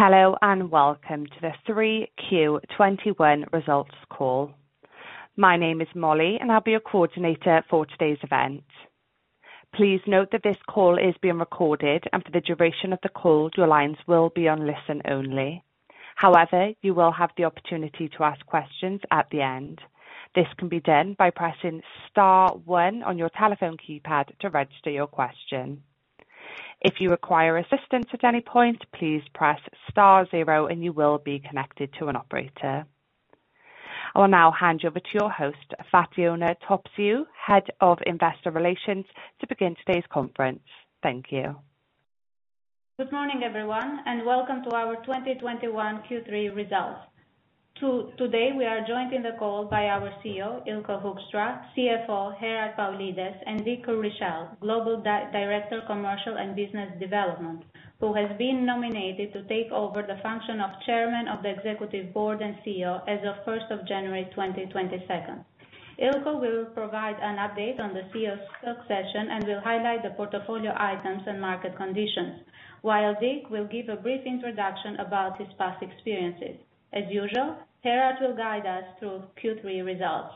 Hello, and welcome to the 3Q 2021 results call. My name is Molly and I'll be your coordinator for today's event. Please note that this call is being recorded, and for the duration of the call, your lines will be on listen only. However, you will have the opportunity to ask questions at the end. This can be done by pressing star one on your telephone keypad to register your question. If you require assistance at any point, please press star zero and you will be connected to an operator. I will now hand you over to your host, Fatjona Topciu, Head of Investor Relations, to begin today's conference. Thank you. Good morning, everyone, and welcome to our 2021 Q3 results. Today we are joined in the call by our CEO, Eelco Hoekstra, CFO, Gerard Paulides, and Dick Richelle, Global Director, Commercial and Business Development, who has been nominated to take over the function of Chairman of the Executive Board and CEO as of 1st of January 2022. Eelco will provide an update on the CEO succession and will highlight the portfolio items and market conditions, while Dick will give a brief introduction about his past experiences. As usual, Gerard will guide us through Q3 results.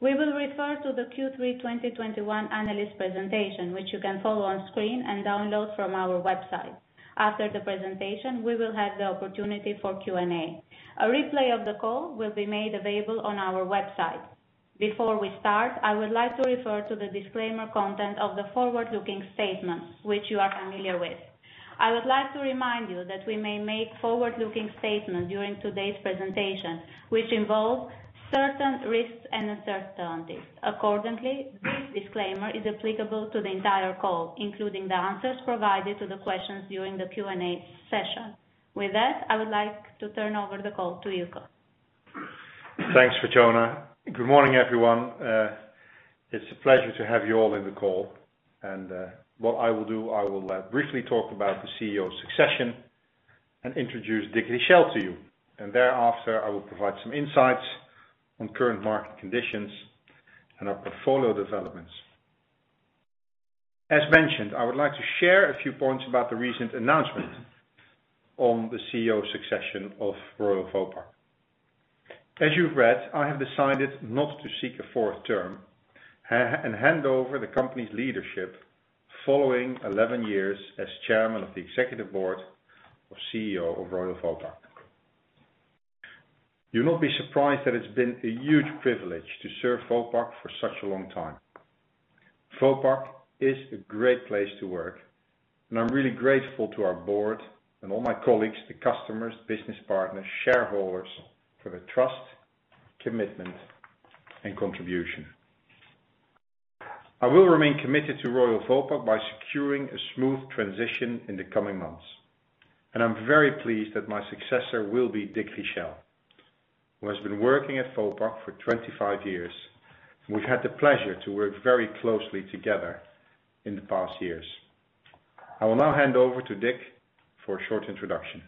We will refer to the Q3 2021 analyst presentation, which you can follow on screen and download from our website. After the presentation, we will have the opportunity for Q&A. A replay of the call will be made available on our website. Before we start, I would like to refer to the disclaimer content of the forward-looking statements which you are familiar with. I would like to remind you that we may make forward-looking statements during today's presentation, which involve certain risks and uncertainties. Accordingly, this disclaimer is applicable to the entire call, including the answers provided to the questions during the Q&A session. With that, I would like to turn over the call to Eelco. Thanks, Fatjona. Good morning, everyone. It's a pleasure to have you all in the call. What I will do, I will briefly talk about the CEO succession and introduce Dick Richelle to you. Thereafter, I will provide some insights on current market conditions and our portfolio developments. As mentioned, I would like to share a few points about the recent announcement on the CEO succession of Royal Vopak. As you've read, I have decided not to seek a fourth term and hand over the company's leadership following 11 years as Chairman of the Executive Board and CEO of Royal Vopak. You'll not be surprised that it's been a huge privilege to serve Vopak for such a long time. Vopak is a great place to work, and I'm really grateful to our board and all my colleagues, the customers, business partners, shareholders for their trust, commitment, and contribution. I will remain committed to Royal Vopak by securing a smooth transition in the coming months, and I'm very pleased that my successor will be Dick Richelle, who has been working at Vopak for 25 years. We've had the pleasure to work very closely together in the past years. I will now hand over to Dick for a short introduction.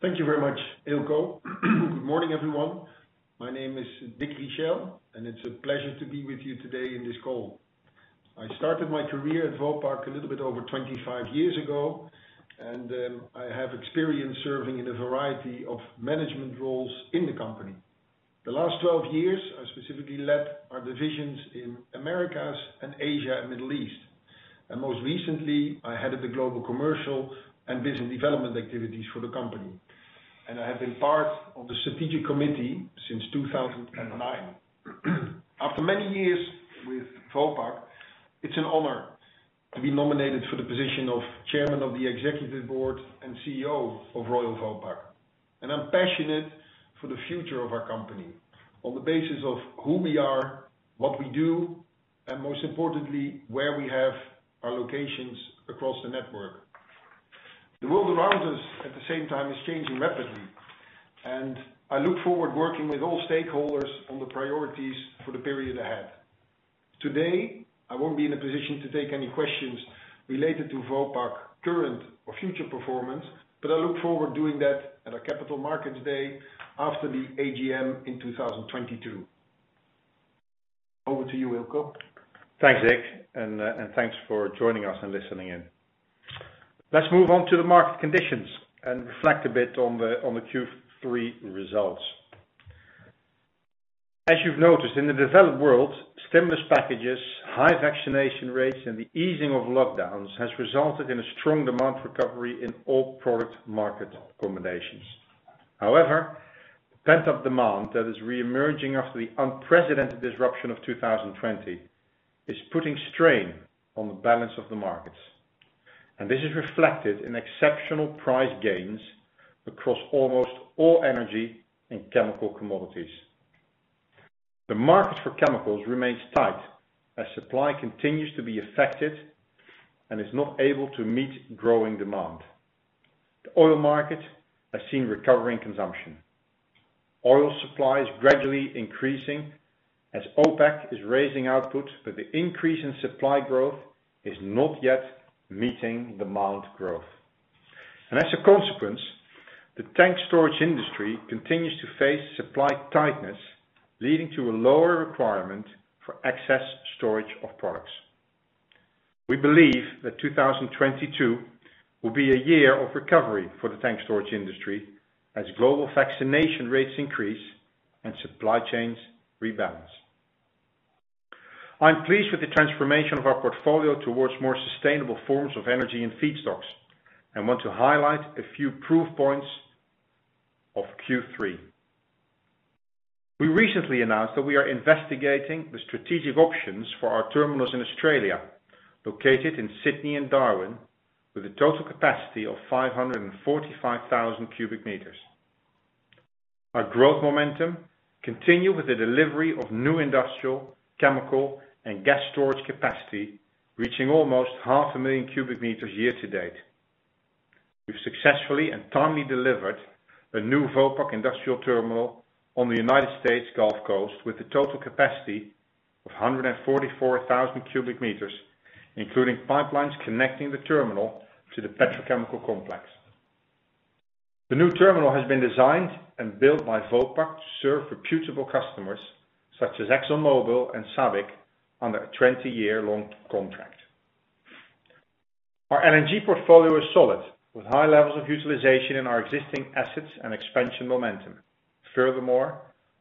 Thank you very much, Eelco. Good morning, everyone. My name is Dick Richelle, and it's a pleasure to be with you today in this call. I started my career at Vopak a little bit over 25 years ago, and I have experience serving in a variety of management roles in the company. The last 12 years, I specifically led our divisions in Americas and Asia and Middle East. Most recently, I headed the global commercial and business development activities for the company. I have been part of the strategic committee since 2009. After many years with Vopak, it's an honor to be nominated for the position of Chairman of the Executive Board and CEO of Royal Vopak. I'm passionate for the future of our company on the basis of who we are, what we do, and most importantly, where we have our locations across the network. The world around us, at the same time, is changing rapidly, and I look forward working with all stakeholders on the priorities for the period ahead. Today, I won't be in a position to take any questions related to Vopak current or future performance, but I look forward doing that at our Capital Markets Day after the AGM in 2022. Over to you, Eelco. Thanks, Dick. Thanks for joining us and listening in. Let's move on to the market conditions and reflect a bit on the Q3 results. As you've noticed in the developed world, stimulus packages, high vaccination rates, and the easing of lockdowns has resulted in a strong demand recovery in all product market combinations. However, pent-up demand that is reemerging after the unprecedented disruption of 2020 is putting strain on the balance of the markets. This is reflected in exceptional price gains across almost all energy and chemical commodities. The market for chemicals remains tight as supply continues to be affected and is not able to meet growing demand. The oil market has seen recovery in consumption. Oil supply is gradually increasing as OPEC is raising output, but the increase in supply growth is not yet meeting demand growth. As a consequence, the tank storage industry continues to face supply tightness, leading to a lower requirement for excess storage of products. We believe that 2022 will be a year of recovery for the tank storage industry as global vaccination rates increase and supply chains rebalance. I'm pleased with the transformation of our portfolio towards more sustainable forms of energy and feedstocks, and want to highlight a few proof points of Q3. We recently announced that we are investigating the strategic options for our terminals in Australia, located in Sydney and Darwin, with a total capacity of 545,000 cu m. Our growth momentum continue with the delivery of new industrial, chemical and gas storage capacity, reaching almost 500,000 cu m ear-to-date. We've successfully and timely delivered a new Vopak industrial terminal on the United States Gulf Coast, with a total capacity of 144,000 cu m, including pipelines connecting the terminal to the petrochemical complex. The new terminal has been designed and built by Vopak to serve reputable customers such as ExxonMobil and SABIC under a 20-year-long contract. Our LNG portfolio is solid, with high levels of utilization in our existing assets and expansion momentum. Furthermore,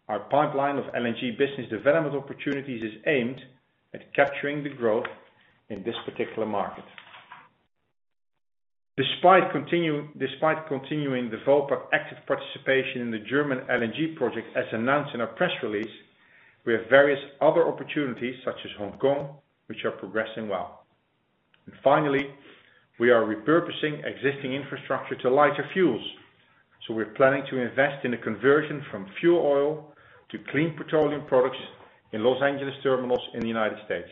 our pipeline of LNG business development opportunities is aimed at capturing the growth in this particular market. Despite continuing Vopak's active participation in the German LNG Project, as announced in our press release, we have various other opportunities, such as Hong Kong, which are progressing well. Finally, we are repurposing existing infrastructure to lighter fuels, so we're planning to invest in a conversion from fuel oil to clean petroleum products in Los Angeles terminals in the United States.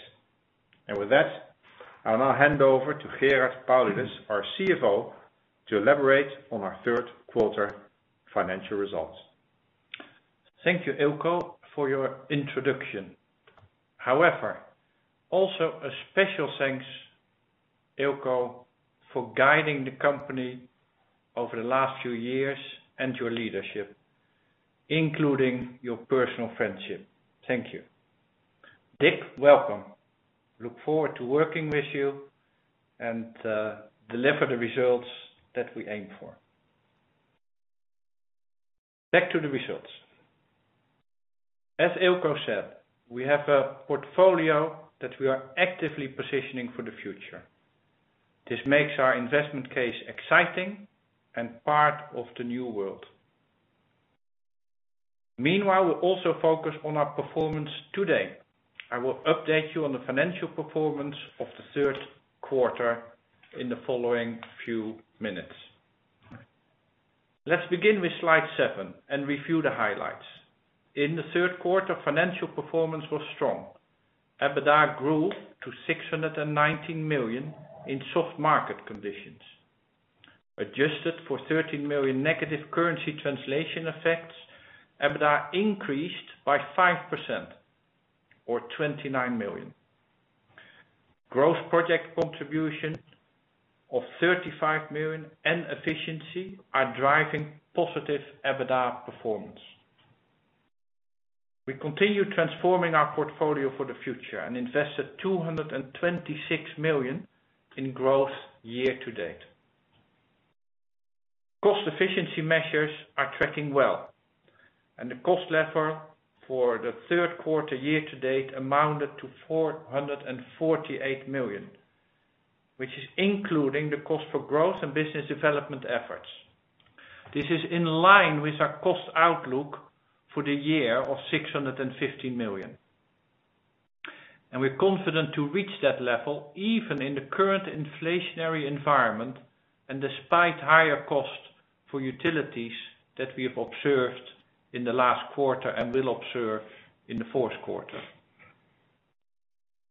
With that, I'll now hand over to Gerard Paulides, our CFO, to elaborate on our third quarter financial results. Thank you, Eelco, for your introduction. However, also a special thanks, Eelco, for guiding the company over the last few years and your leadership, including your personal friendship. Thank you. Dick, welcome. Look forward to working with you and deliver the results that we aim for. Back to the results. As Eelco said, we have a portfolio that we are actively positioning for the future. This makes our investment case exciting and part of the new world. Meanwhile, we also focus on our performance today. I will update you on the financial performance of the third quarter in the following few minutes. Let's begin with slide seven and review the highlights. In the third quarter, financial performance was strong. EBITDA grew to 619 million in soft market conditions. Adjusted for 13 million negative currency translation effects, EBITDA increased by 5% or 29 million. Growth project contribution of 35 million and efficiency are driving positive EBITDA performance. We continue transforming our portfolio for the future and invested 226 million in growth year-to-date. Cost efficiency measures are tracking well, and the cost level for the third quarter year-to-date amounted to 448 million, which is including the cost for growth and business development efforts. This is in line with our cost outlook for the year of 650 million. We're confident to reach that level even in the current inflationary environment and despite higher costs for utilities that we have observed in the last quarter and will observe in the fourth quarter.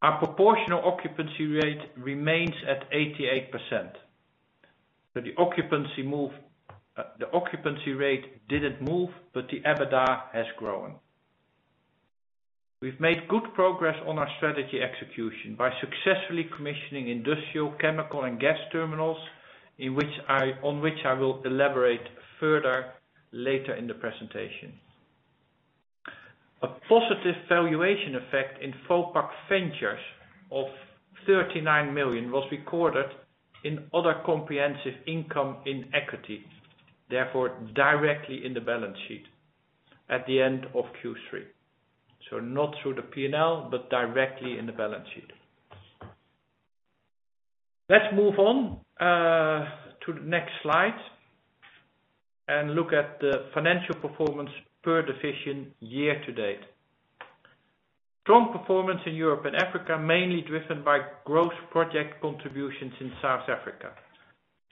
Our proportional occupancy rate remains at 88%. The occupancy rate didn't move, but the EBITDA has grown. We've made good progress on our strategy execution by successfully commissioning industrial, chemical and gas terminals, on which I will elaborate further later in the presentation. A positive valuation effect in Vopak Ventures of 39 million was recorded in other comprehensive income in equity, therefore directly in the balance sheet at the end of Q3. Not through the P&L, but directly in the balance sheet. Let's move on to the next slide and look at the financial performance per division year to date. Strong performance in Europe and Africa, mainly driven by growth project contributions in South Africa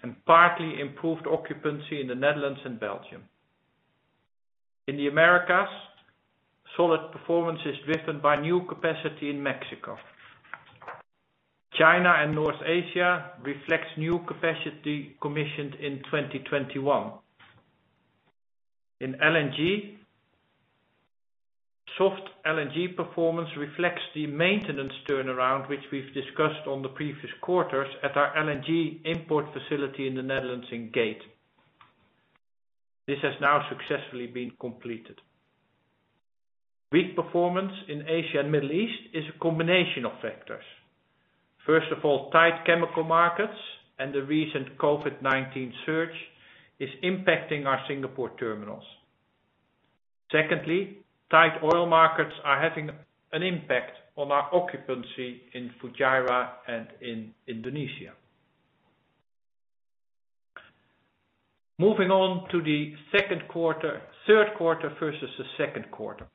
and partly improved occupancy in the Netherlands and Belgium. In the Americas, solid performance is driven by new capacity in Mexico. China and North Asia reflects new capacity commissioned in 2021. In LNG, soft LNG performance reflects the maintenance turnaround, which we've discussed in the previous quarters at our LNG import facility in the Netherlands in Gate. This has now successfully been completed. Weak performance in Asia and Middle East is a combination of factors. First of all, tight chemical markets and the recent COVID-19 surge is impacting our Singapore terminals. Secondly, tight oil markets are having an impact on our occupancy in Fujairah and in Indonesia. Moving on to the third quarter versus the second quarter,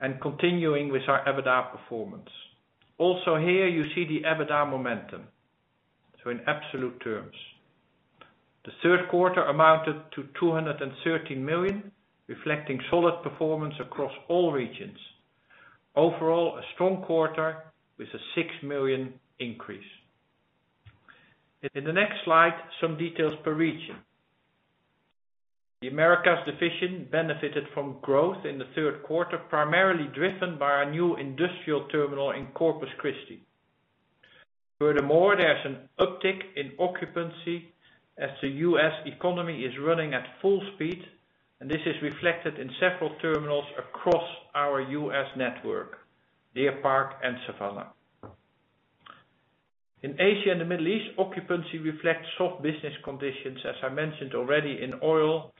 and continuing with our EBITDA performance. Also here you see the EBITDA momentum. In absolute terms, the third quarter amounted to 213 million, reflecting solid performance across all regions. Overall, a strong quarter with a 6 million increase. In the next slide, some details per region. The Americas division benefited from growth in the third quarter, primarily driven by our new industrial terminal in Corpus Christi. Furthermore, there's an uptick in occupancy as the U.S. economy is running at full speed, and this is reflected in several terminals across our U.S. network, Deer Park and Savannah. In Asia and the Middle East, occupancy reflects soft business conditions, as I mentioned already in oil,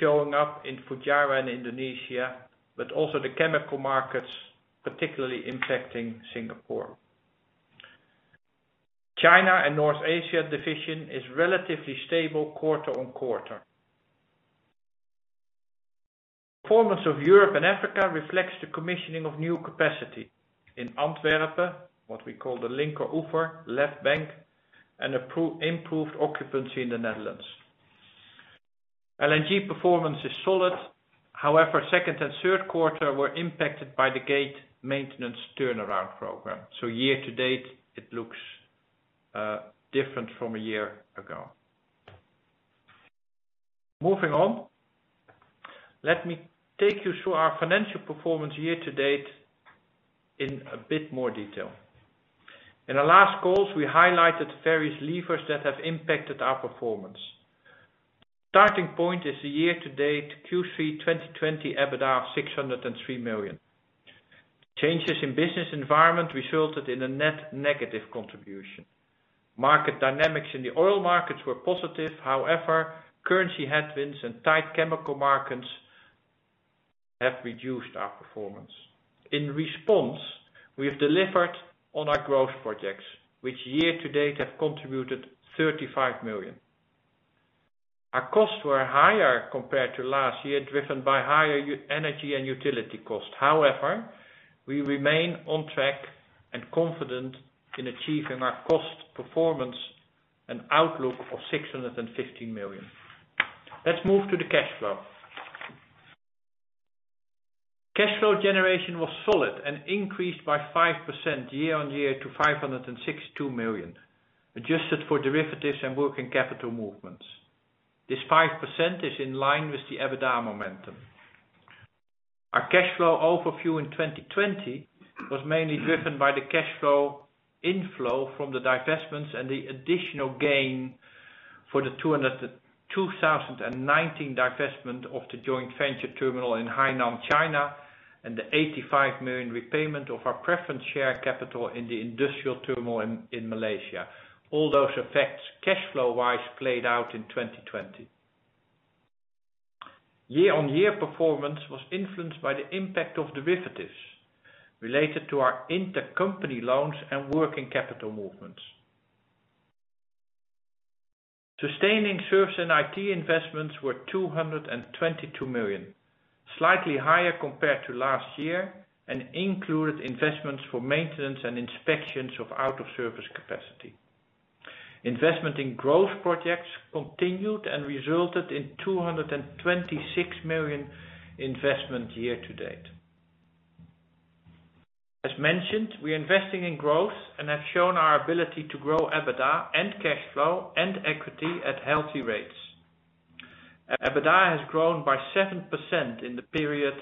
showing up in Fujairah and Indonesia, but also the chemical markets, particularly impacting Singapore. China and North Asia division is relatively stable quarter-on-quarter. Performance of Europe and Africa reflects the commissioning of new capacity in Antwerp, what we call the Linkeroever, Left Bank, and improved occupancy in the Netherlands. LNG performance is solid, however, second and third quarter were impacted by the Gate maintenance turnaround program. Year-to-date, it looks different from a year ago. Moving on, let me take you through our financial performance year-to-date in a bit more detail. In the last calls, we highlighted various levers that have impacted our performance. Starting point is the year-to-date Q3 2020 EBITDA of 603 million. Changes in business environment resulted in a net negative contribution. Market dynamics in the oil markets were positive, however, currency headwinds and tight chemical markets have reduced our performance. In response, we have delivered on our growth projects, which year-to-date have contributed 35 million. Our costs were higher compared to last year, driven by higher energy and utility costs. However, we remain on track and confident in achieving our cost, performance, and outlook of 615 million. Let's move to the cash flow. Cash flow generation was solid and increased by 5% year-over-year to 562 million, adjusted for derivatives and working capital movements. This 5% is in line with the EBITDA momentum. Our cash flow overview in 2020 was mainly driven by the cash flow inflow from the divestments and the additional gain for the 2019 divestment of the joint venture terminal in Hainan, China, and the 85 million repayment of our preferred share capital in the industrial terminal in Malaysia. All those effects, cash flow wise, played out in 2020. Year-over-year performance was influenced by the impact of derivatives related to our intercompany loans and working capital movements. Sustaining service and IT investments were 222 million, slightly higher compared to last year, and included investments for maintenance and inspections of out of service capacity. Investment in growth projects continued and resulted in 226 million investment year-to-date. As mentioned, we're investing in growth and have shown our ability to grow EBITDA and cash flow and equity at healthy rates. EBITDA has grown by 7% in the period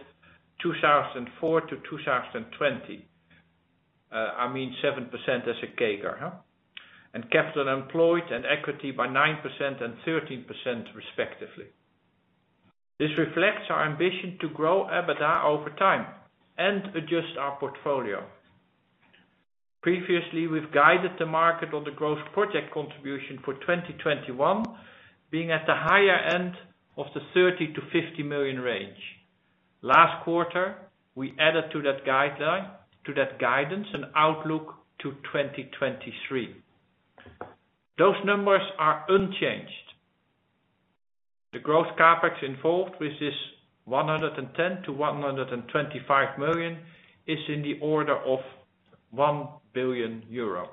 2004-2020. 7% as a CAGR, and capital employed and equity by 9% and 13% respectively. This reflects our ambition to grow EBITDA over time and adjust our portfolio. Previously, we've guided the market on the growth project contribution for 2021 being at the higher end of the 30 million-50 million range. Last quarter, we added to that guidance an outlook to 2023. Those numbers are unchanged. The growth CapEx involved with this 110 million-125 million is in the order of 1 billion euro.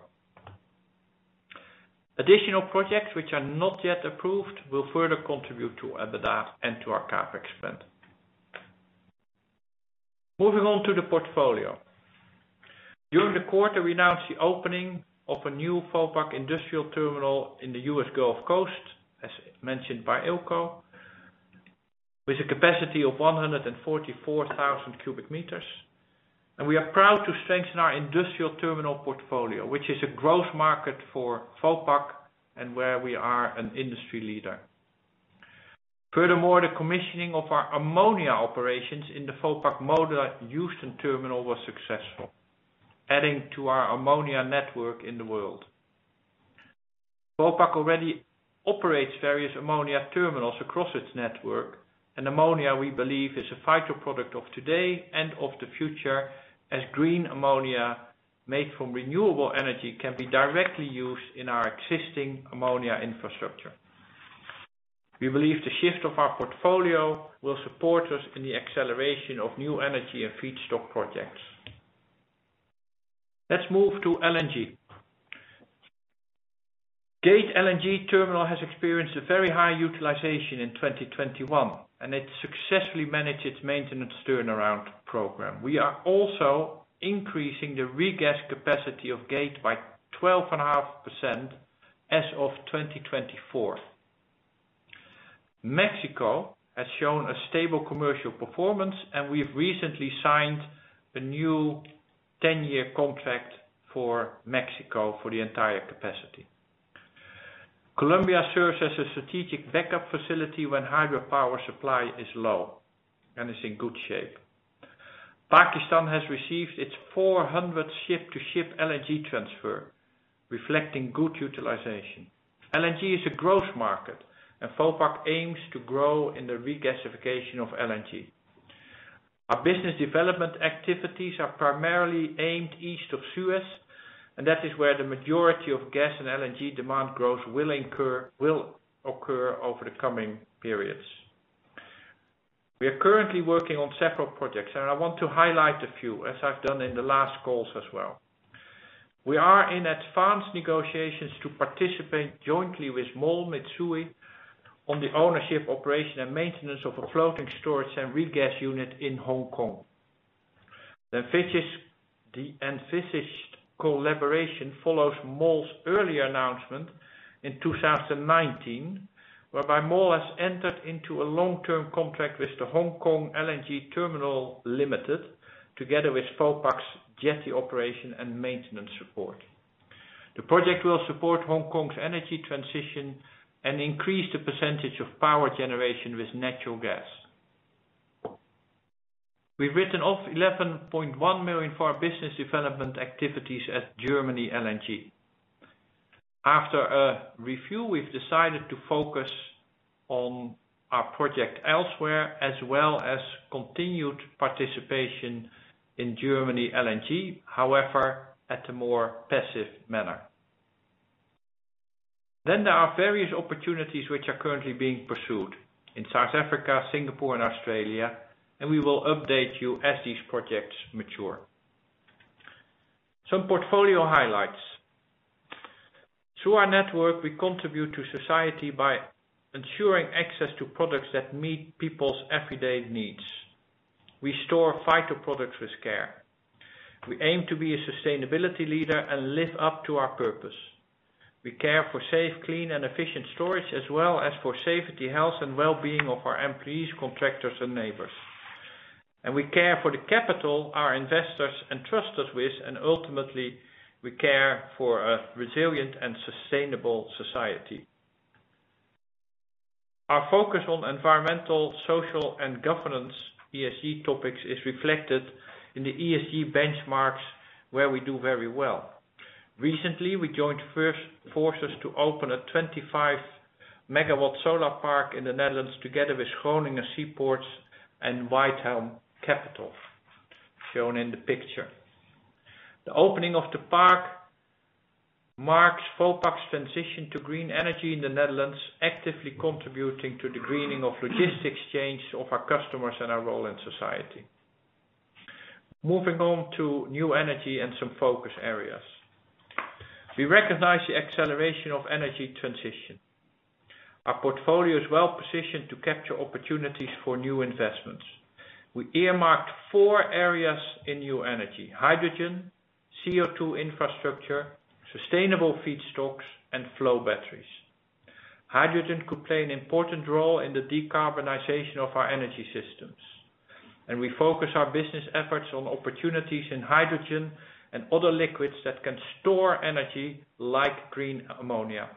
Additional projects which are not yet approved will further contribute to EBITDA and to our CapEx spend. Moving on to the portfolio. During the quarter, we announced the opening of a new Vopak industrial terminal in the U.S. Gulf Coast, as mentioned by Eelco, with a capacity of 144,000 cu m. We are proud to strengthen our industrial terminal portfolio, which is a growth market for Vopak and where we are an industry leader. Furthermore, the commissioning of our ammonia operations in the Vopak Moda Houston Terminal was successful, adding to our ammonia network in the world. Vopak already operates various ammonia terminals across its network, and ammonia, we believe, is a vital product of today and of the future, as green ammonia made from renewable energy can be directly used in our existing ammonia infrastructure. We believe the shift of our portfolio will support us in the acceleration of new energy and feedstock projects. Let's move to LNG. Gate terminal has experienced a very high utilization in 2021, and it successfully managed its maintenance turnaround program. We are also increasing the regas capacity of Gate by 12.5% as of 2024. Mexico has shown a stable commercial performance, and we've recently signed a new 10-year contract for Mexico for the entire capacity. Colombia serves as a strategic backup facility when hydropower supply is low and is in good shape. Pakistan has received its 400 ship-to-ship LNG transfer, reflecting good utilization. LNG is a growth market, and Vopak aims to grow in the regasification of LNG. Our business development activities are primarily aimed East of Suez, and that is where the majority of gas and LNG demand growth will occur over the coming periods. We are currently working on several projects, and I want to highlight a few, as I've done in the last calls as well. We are in advanced negotiations to participate jointly with MOL Mitsui on the ownership, operation and maintenance of a floating storage and regas unit in Hong Kong. The envisaged collaboration follows MOL's earlier announcement in 2019, whereby MOL has entered into a long-term contract with the Hong Kong LNG Terminal Limited, together with Vopak's jetty operation and maintenance support. The project will support Hong Kong's energy transition and increase the percentage of power generation with natural gas. We've written off 11.1 million for our business development activities at German LNG. After a review, we've decided to focus on our project elsewhere, as well as continued participation in German LNG, however, at a more passive manner. There are various opportunities which are currently being pursued in South Africa, Singapore and Australia, and we will update you as these projects mature. Some portfolio highlights. Through our network, we contribute to society by ensuring access to products that meet people's everyday needs. We store vital products with care. We aim to be a sustainability leader and live up to our purpose. We care for safe, clean and efficient storage as well as for safety, health and well-being of our employees, contractors and neighbors. We care for the capital our investors entrust us with, and ultimately, we care for a resilient and sustainable society. Our focus on environmental, social and governance, ESG topics, is reflected in the ESG benchmarks, where we do very well. Recently, we joined forces to open a 25 MW solar park in the Netherlands, together with Groningen Seaports and Whitehelm Capital, shown in the picture. The opening of the park marks Vopak's transition to green energy in the Netherlands, actively contributing to the greening of logistics chains of our customers and our role in society. Moving on to new energy and some focus areas. We recognize the acceleration of energy transition. Our portfolio is well-positioned to capture opportunities for new investments. We earmarked four areas in new energy: hydrogen, CO2 infrastructure, sustainable feedstocks and flow batteries. Hydrogen could play an important role in the decarbonization of our energy systems, and we focus our business efforts on opportunities in hydrogen and other liquids that can store energy like green ammonia.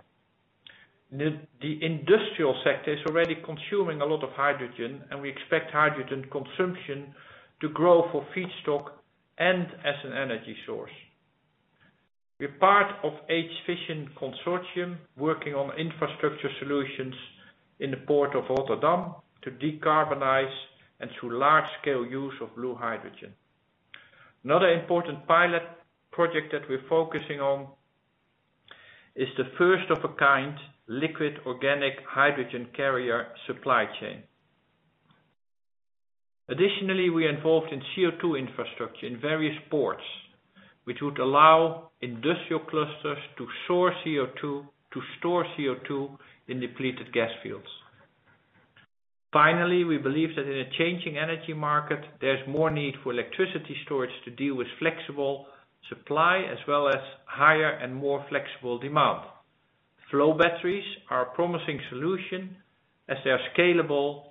The industrial sector is already consuming a lot of hydrogen, and we expect hydrogen consumption to grow for feedstock and as an energy source. We're part of H-vision consortium working on infrastructure solutions in the port of Rotterdam to decarbonize and through large scale use of blue hydrogen. Another important pilot project that we're focusing on is the first of a kind liquid organic hydrogen carrier supply chain. Additionally, we are involved in CO2 infrastructure in various ports, which would allow industrial clusters to store CO2 in depleted gas fields. Finally, we believe that in a changing energy market, there's more need for electricity storage to deal with flexible supply as well as higher and more flexible demand. Flow batteries are a promising solution as they are scalable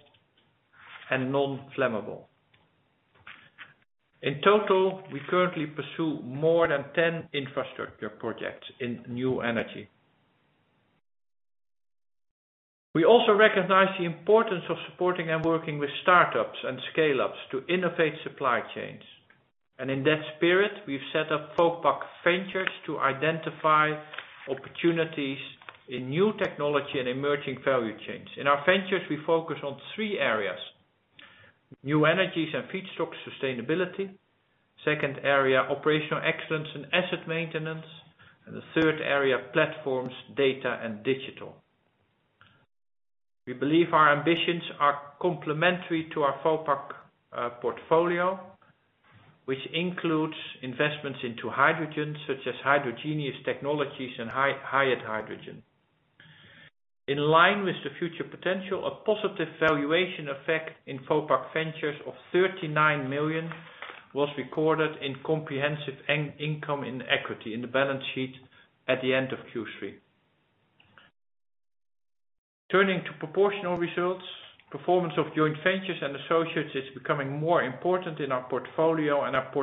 and non-flammable. In total, we currently pursue more than ten infrastructure projects in new energy. We also recognize the importance of supporting and working with startups and scale-ups to innovate supply chains. In that spirit, we've set up Vopak Ventures to identify opportunities in new technology and emerging value chains. In our ventures, we focus on three areas, new energies and feedstock sustainability. Second area, operational excellence and asset maintenance, and the third area, platforms, data and digital. We believe our ambitions are complementary to our Vopak portfolio, which includes investments into hydrogen, such as Hydrogenious Technologies and HyET Hydrogen. In line with the future potential, a positive valuation effect in Vopak Ventures of 39 million was recorded in comprehensive income in equity in the balance sheet at the end of Q3. Turning to proportional results, performance of joint ventures and associates is becoming more important in our portfolio, and our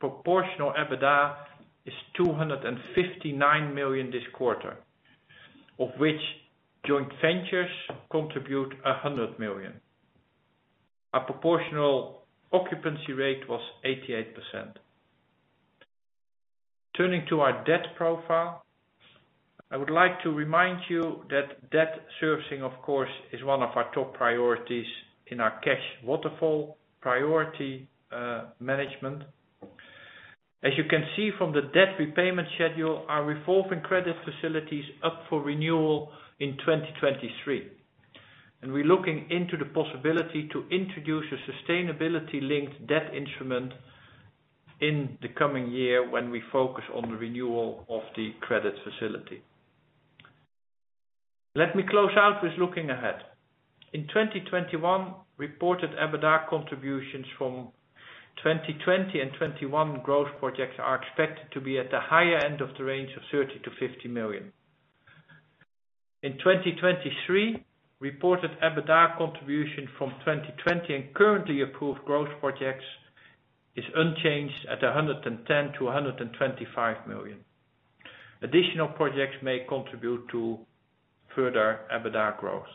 proportional EBITDA is 259 million this quarter, of which joint ventures contribute 100 million. Our proportional occupancy rate was 88%. Turning to our debt profile, I would like to remind you that debt servicing, of course, is one of our top priorities in our cash waterfall priority management. As you can see from the debt repayment schedule, our revolving credit facility's up for renewal in 2023, and we're looking into the possibility to introduce a sustainability-linked debt instrument in the coming year when we focus on the renewal of the credit facility. Let me close out with looking ahead. In 2021, reported EBITDA contributions from 2020 and 2021 growth projects are expected to be at the higher end of the range of 30 million-50 million. In 2023, reported EBITDA contribution from 2020 and currently approved growth projects is unchanged at 110 million-125 million. Additional projects may contribute to further EBITDA growth.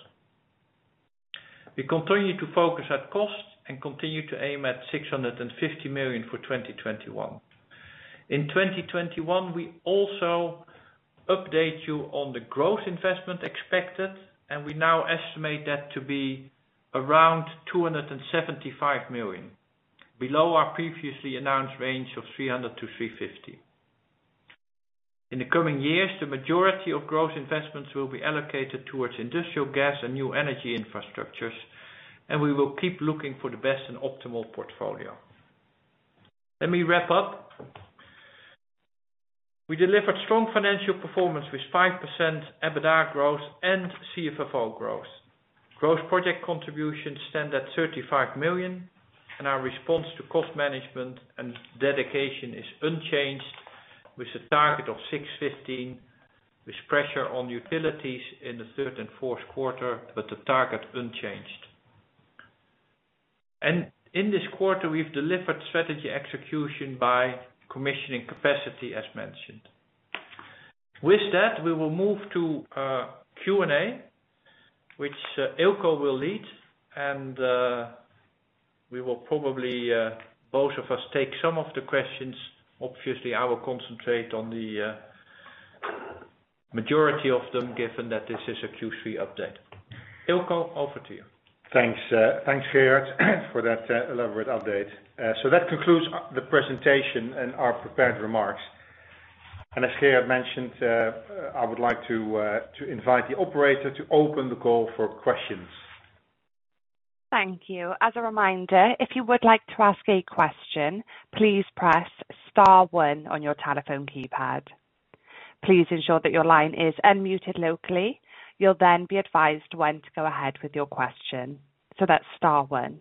We continue to focus on cost and continue to aim for 650 million for 2021. In 2021, we also update you on the growth investment expected, and we now estimate that to be around 275 million, below our previously announced range of 300 million-350 million. In the coming years, the majority of growth investments will be allocated towards industrial gas and new energy infrastructures, and we will keep looking for the best and optimal portfolio. Let me wrap up. We delivered strong financial performance with 5% EBITDA growth and CFFO growth. Growth project contributions stand at 35 million, and our response to cost management and dedication is unchanged, with a target of 615 million, with pressure on utilities in the third and fourth quarter, but the target unchanged. In this quarter, we've delivered strategy execution by commissioning capacity, as mentioned. With that, we will move to Q&A, which Eelco will lead, and we will probably both of us take some of the questions. Obviously, I will concentrate on the majority of them, given that this is a Q3 update. Eelco, over to you. Thanks. Thanks, Gerard, for that elaborate update. That concludes the presentation and our prepared remarks. As Gerard mentioned, I would like to invite the operator to open the call for questions. Thank you. As a reminder, if you would like to ask a question, please press star one on your telephone keypad. Please ensure that your line is unmuted locally. You'll then be advised when to go ahead with your question. That's star one.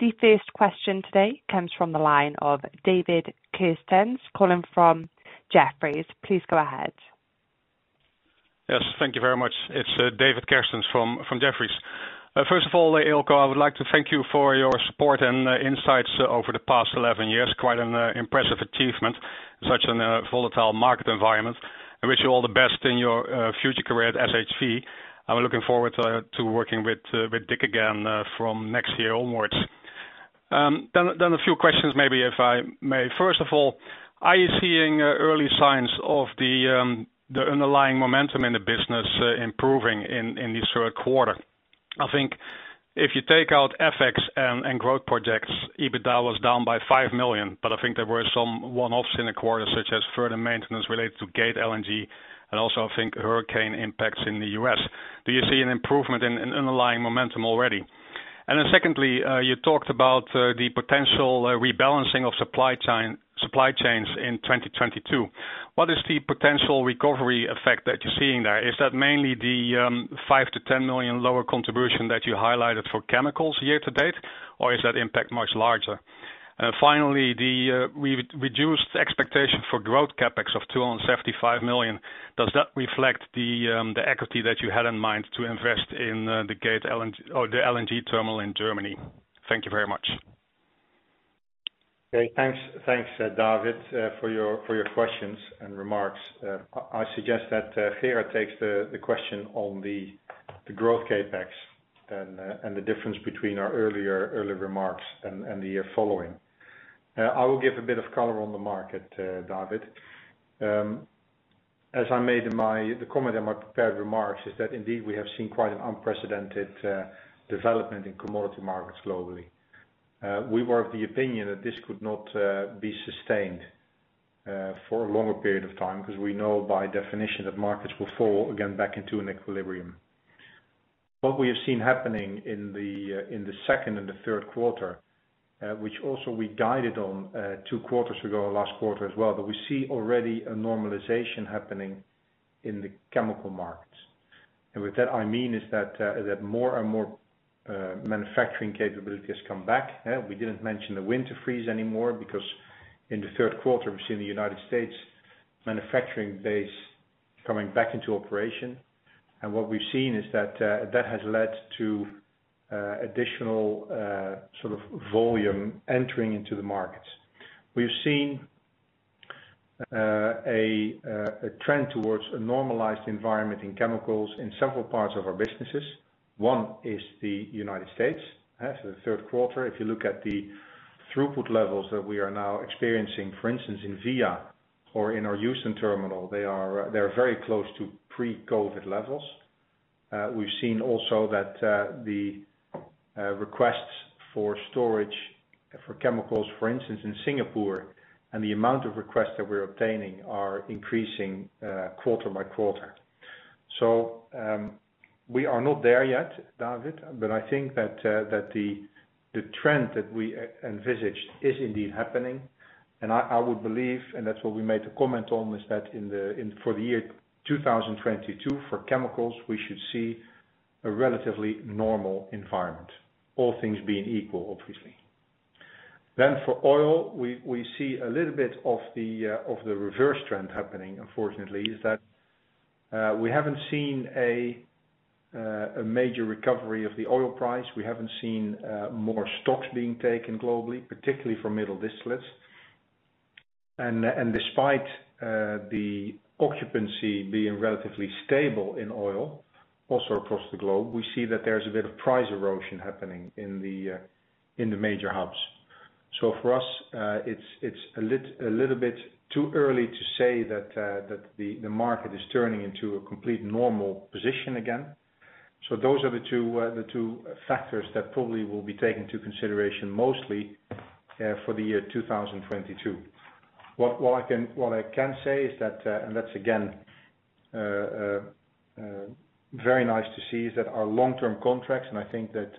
The first question today comes from the line of David Kerstens, calling from Jefferies. Please go ahead. Yes, thank you very much. It's David Kerstens from Jefferies. First of all, Eelco, I would like to thank you for your support and insights over the past 11 years. Quite an impressive achievement in such a volatile market environment. I wish you all the best in your future career at SHV. I'm looking forward to working with Dick again from next year onwards. A few questions maybe, if I may. First of all, are you seeing early signs of the underlying momentum in the business improving in this quarter? I think if you take out FX and growth projects, EBITDA was down by 5 million, but I think there were some one-offs in the quarter, such as further maintenance related to Gate LNG and also, I think, hurricane impacts in the U.S. Do you see an improvement in underlying momentum already? Then secondly, you talked about the potential rebalancing of supply chain, supply chains in 2022. What is the potential recovery effect that you're seeing there? Is that mainly the 5 million-10 million lower contribution that you highlighted for chemicals year-to-date, or is that impact much larger? Finally, we reduced the expectation for growth CapEx of 275 million. Does that reflect the equity that you had in mind to invest in the Gate LNG or the LNG terminal in Germany? Thank you very much. Okay. Thanks, David, for your questions and remarks. I suggest that Gerard takes the question on the growth CapEx and the difference between our earlier remarks and the year following. I will give a bit of color on the market, David. As I made in my comment in my prepared remarks is that indeed we have seen quite an unprecedented development in commodity markets globally. We were of the opinion that this could not be sustained for a longer period of time, because we know by definition that markets will fall again back into an equilibrium. What we have seen happening in the second and third quarter, which also we guided on two quarters ago, last quarter as well, but we see already a normalization happening in the chemical markets. With that, I mean that more and more manufacturing capability has come back. We didn't mention the winter freeze anymore because in the third quarter we've seen the United States manufacturing base coming back into operation. What we've seen is that that has led to additional sort of volume entering into the markets. We've seen a trend towards a normalized environment in chemicals in several parts of our businesses. One is the United States. As of the third quarter, if you look at the throughput levels that we are now experiencing, for instance, in VIA or in our Houston terminal, they're very close to pre-COVID levels. We've seen also that the requests for storage for chemicals, for instance, in Singapore, and the amount of requests that we're obtaining are increasing quarter by quarter. We are not there yet, David, but I think that the trend that we envisaged is indeed happening. I would believe, and that's what we made a comment on, is that in for the year 2022, for chemicals, we should see a relatively normal environment, all things being equal, obviously. For oil, we see a little bit of the reverse trend happening, unfortunately. We haven't seen a major recovery of the oil price. We haven't seen more stocks being taken globally, particularly for middle distillates. Despite the occupancy being relatively stable in oil, also across the globe, we see that there's a bit of price erosion happening in the major hubs. For us, it's a little bit too early to say that the market is turning into a complete normal position again. Those are the two factors that probably will be taken into consideration mostly for the year 2022. What I can say is that that's again very nice to see that our long-term contracts, and I think that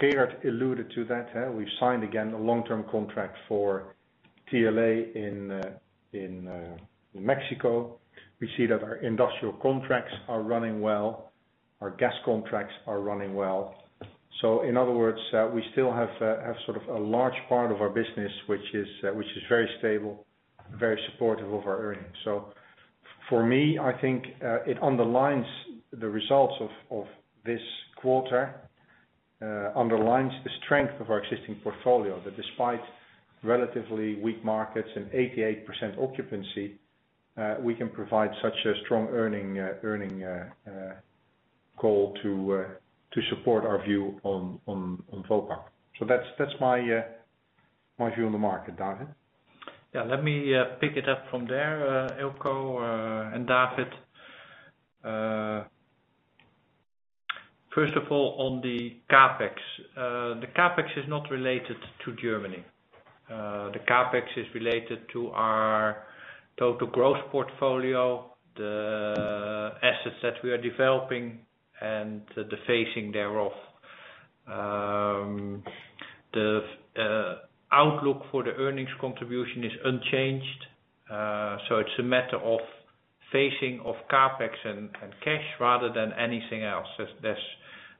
Gerard alluded to that, we've signed again a long-term contract for TLA in Mexico. We see that our industrial contracts are running well, our gas contracts are running well. In other words, we still have sort of a large part of our business, which is very stable, very supportive of our earnings. For me, I think it underlines the results of this quarter, underlines the strength of our existing portfolio. That despite relatively weak markets and 88% occupancy, we can provide such a strong earnings to support our view on Vopak. That's my view on the market, David. Yeah. Let me pick it up from there, Eelco and David. First of all, on the CapEx, the CapEx is not related to Germany. The CapEx is related to our total growth portfolio, the assets that we are developing and the financing thereof. The outlook for the earnings contribution is unchanged. So it's a matter of phasing of CapEx and cash rather than anything else. There's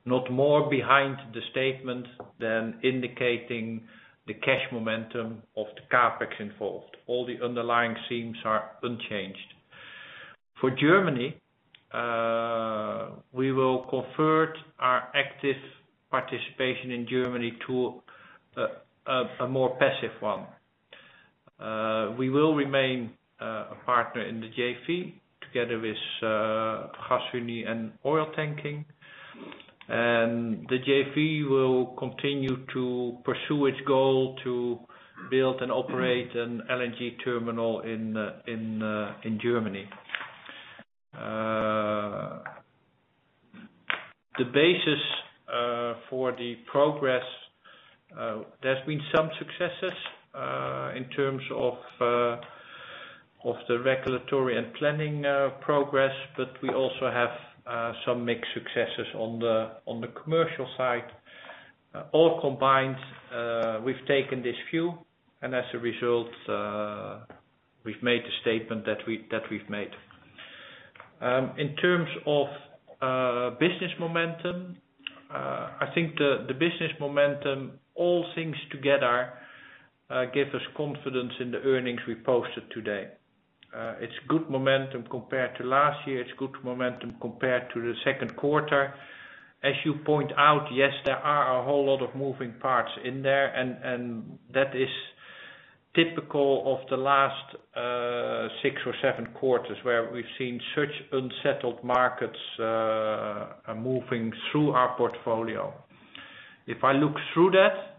not more behind the statement than indicating the cash momentum of the CapEx involved. All the underlying assumptions are unchanged. For Germany, we will convert our active participation in Germany to a more passive one. We will remain a partner in the JV together with Gasunie and Oiltanking. The JV will continue to pursue its goal to build and operate an LNG terminal in Germany. The basis for the progress, there's been some successes in terms of the regulatory and planning progress, but we also have some mixed successes on the commercial side. All combined, we've taken this view and as a result, we've made the statement that we've made. In terms of business momentum, I think the business momentum, all things together, give us confidence in the earnings we posted today. It's good momentum compared to last year. It's good momentum compared to the second quarter. As you point out, yes, there are a whole lot of moving parts in there and that is typical of the last six or seven quarters where we've seen such unsettled markets moving through our portfolio. If I look through that,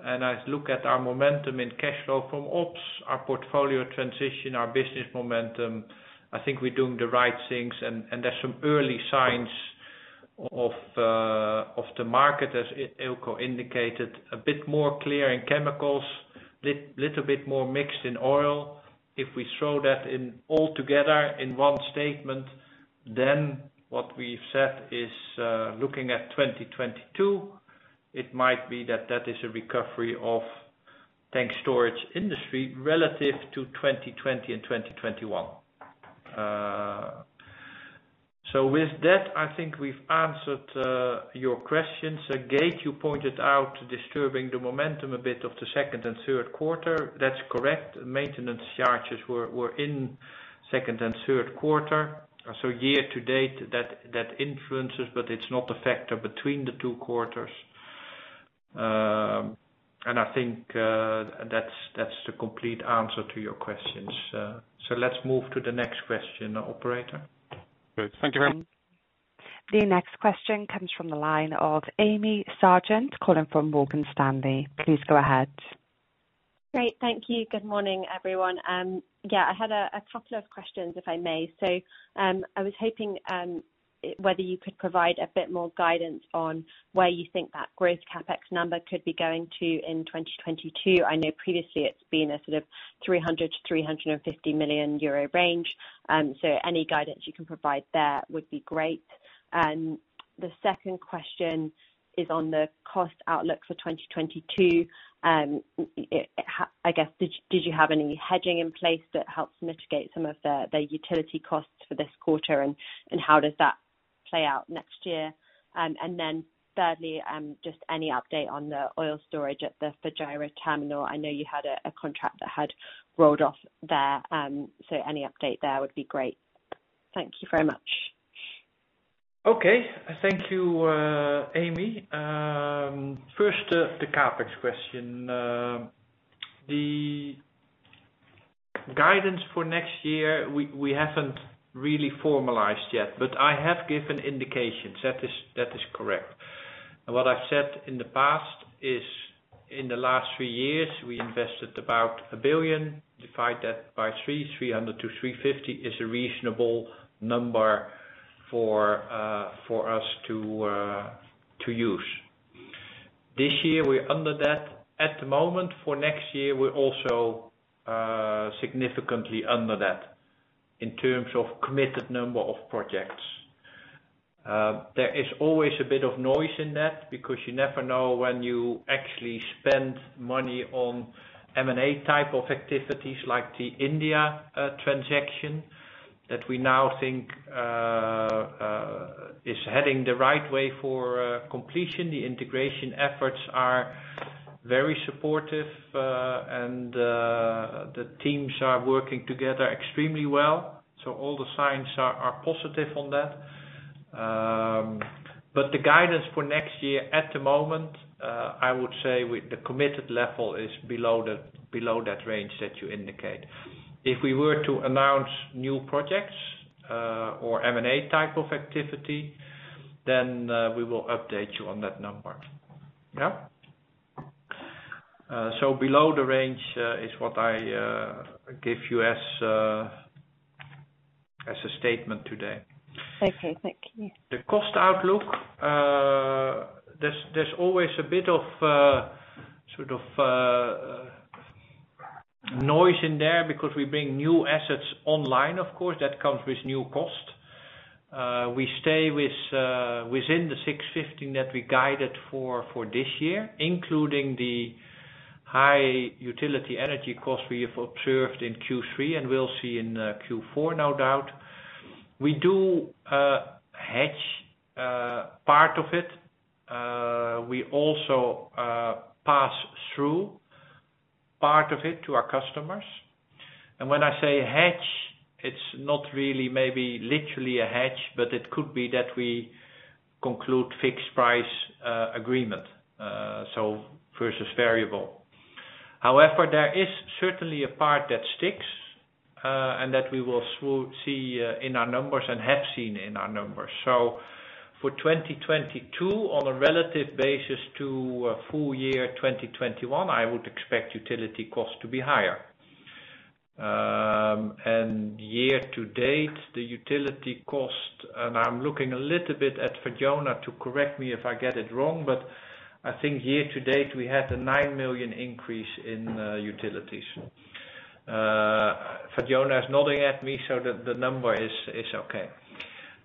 and I look at our momentum in cash flow from ops, our portfolio transition, our business momentum, I think we're doing the right things, and there's some early signs of the market, as Eelco indicated, a bit more clear in chemicals, little bit more mixed in oil. If we throw that in all together in one statement, then what we've said is, looking at 2022, it might be that that is a recovery of tank storage industry relative to 2020 and 2021. With that, I think we've answered your questions. Gate, you pointed out disturbing the momentum a bit of the second and third quarter. That's correct. Maintenance charges were in second and third quarter. Year-to-date that influences, but it's not a factor between the two quarters. I think that's the complete answer to your questions. Let's move to the next question, operator. Great. Thank you very much. The next question comes from the line of Amy Sergeant, calling from Morgan Stanley. Please go ahead. Great. Thank you. Good morning, everyone. Yeah, I had a couple of questions, if I may. I was hoping whether you could provide a bit more guidance on where you think that growth CapEx number could be going to in 2022. I know previously it's been a sort of 300 million-350 million euro range. Any guidance you can provide there would be great. The second question is on the cost outlook for 2022. I guess, did you have any hedging in place that helps mitigate some of the utility costs for this quarter, and how does that play out next year? Thirdly, just any update on the oil storage at the Fujairah Terminal. I know you had a contract that had rolled off there, so any update there would be great. Thank you very much. Okay. Thank you, Amy. First, the CapEx question. The guidance for next year, we haven't really formalized yet, but I have given indications. That is correct. What I've said in the past is, in the last three years, we invested about 1 billion. Divide that by 3, 300 million-350 million is a reasonable number for us to use. This year we're under that at the moment. For next year, we're also significantly under that in terms of committed number of projects. There is always a bit of noise in that because you never know when you actually spend money on M&A type of activities like the India transaction that we now think is heading the right way for completion. The integration efforts are very supportive, and the teams are working together extremely well. All the signs are positive on that. But the guidance for next year at the moment, I would say with the committed level is below that range that you indicate. If we were to announce new projects, or M&A type of activity, then we will update you on that number. Below the range is what I give you as a statement today. Okay, thank you. The cost outlook, there's always a bit of sort of noise in there because we bring new assets online, of course, that comes with new cost. We stay within the 615 million that we guided for this year, including the high utility energy cost we have observed in Q3 and we'll see in Q4, no doubt. We do hedge part of it. We also pass through part of it to our customers. When I say hedge, it's not really maybe literally a hedge, but it could be that we conclude fixed price agreement, so versus variable. However, there is certainly a part that sticks, and that we will see in our numbers and have seen in our numbers. For 2022, on a relative basis to a full year 2021, I would expect utility costs to be higher. Year-to-date, the utility cost, and I'm looking a little bit at Fatjona to correct me if I get it wrong, but I think year-to-date we had a 9 million increase in utilities. Fatjona is nodding at me, so the number is okay.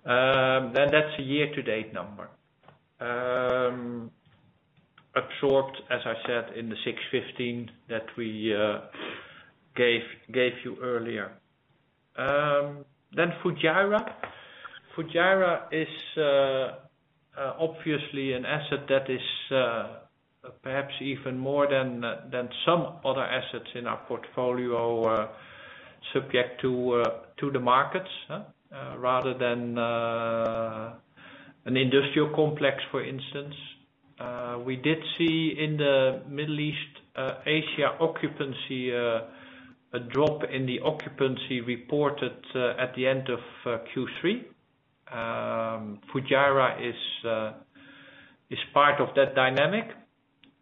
That's a year-to-date number. Absorbed, as I said, in the 615 million that we gave you earlier. Fujairah is obviously an asset that is perhaps even more than some other assets in our portfolio subject to the markets rather than an industrial complex, for instance. We did see in the Middle East, Asia occupancy a drop in the occupancy reported at the end of Q3. Fujairah is part of that dynamic,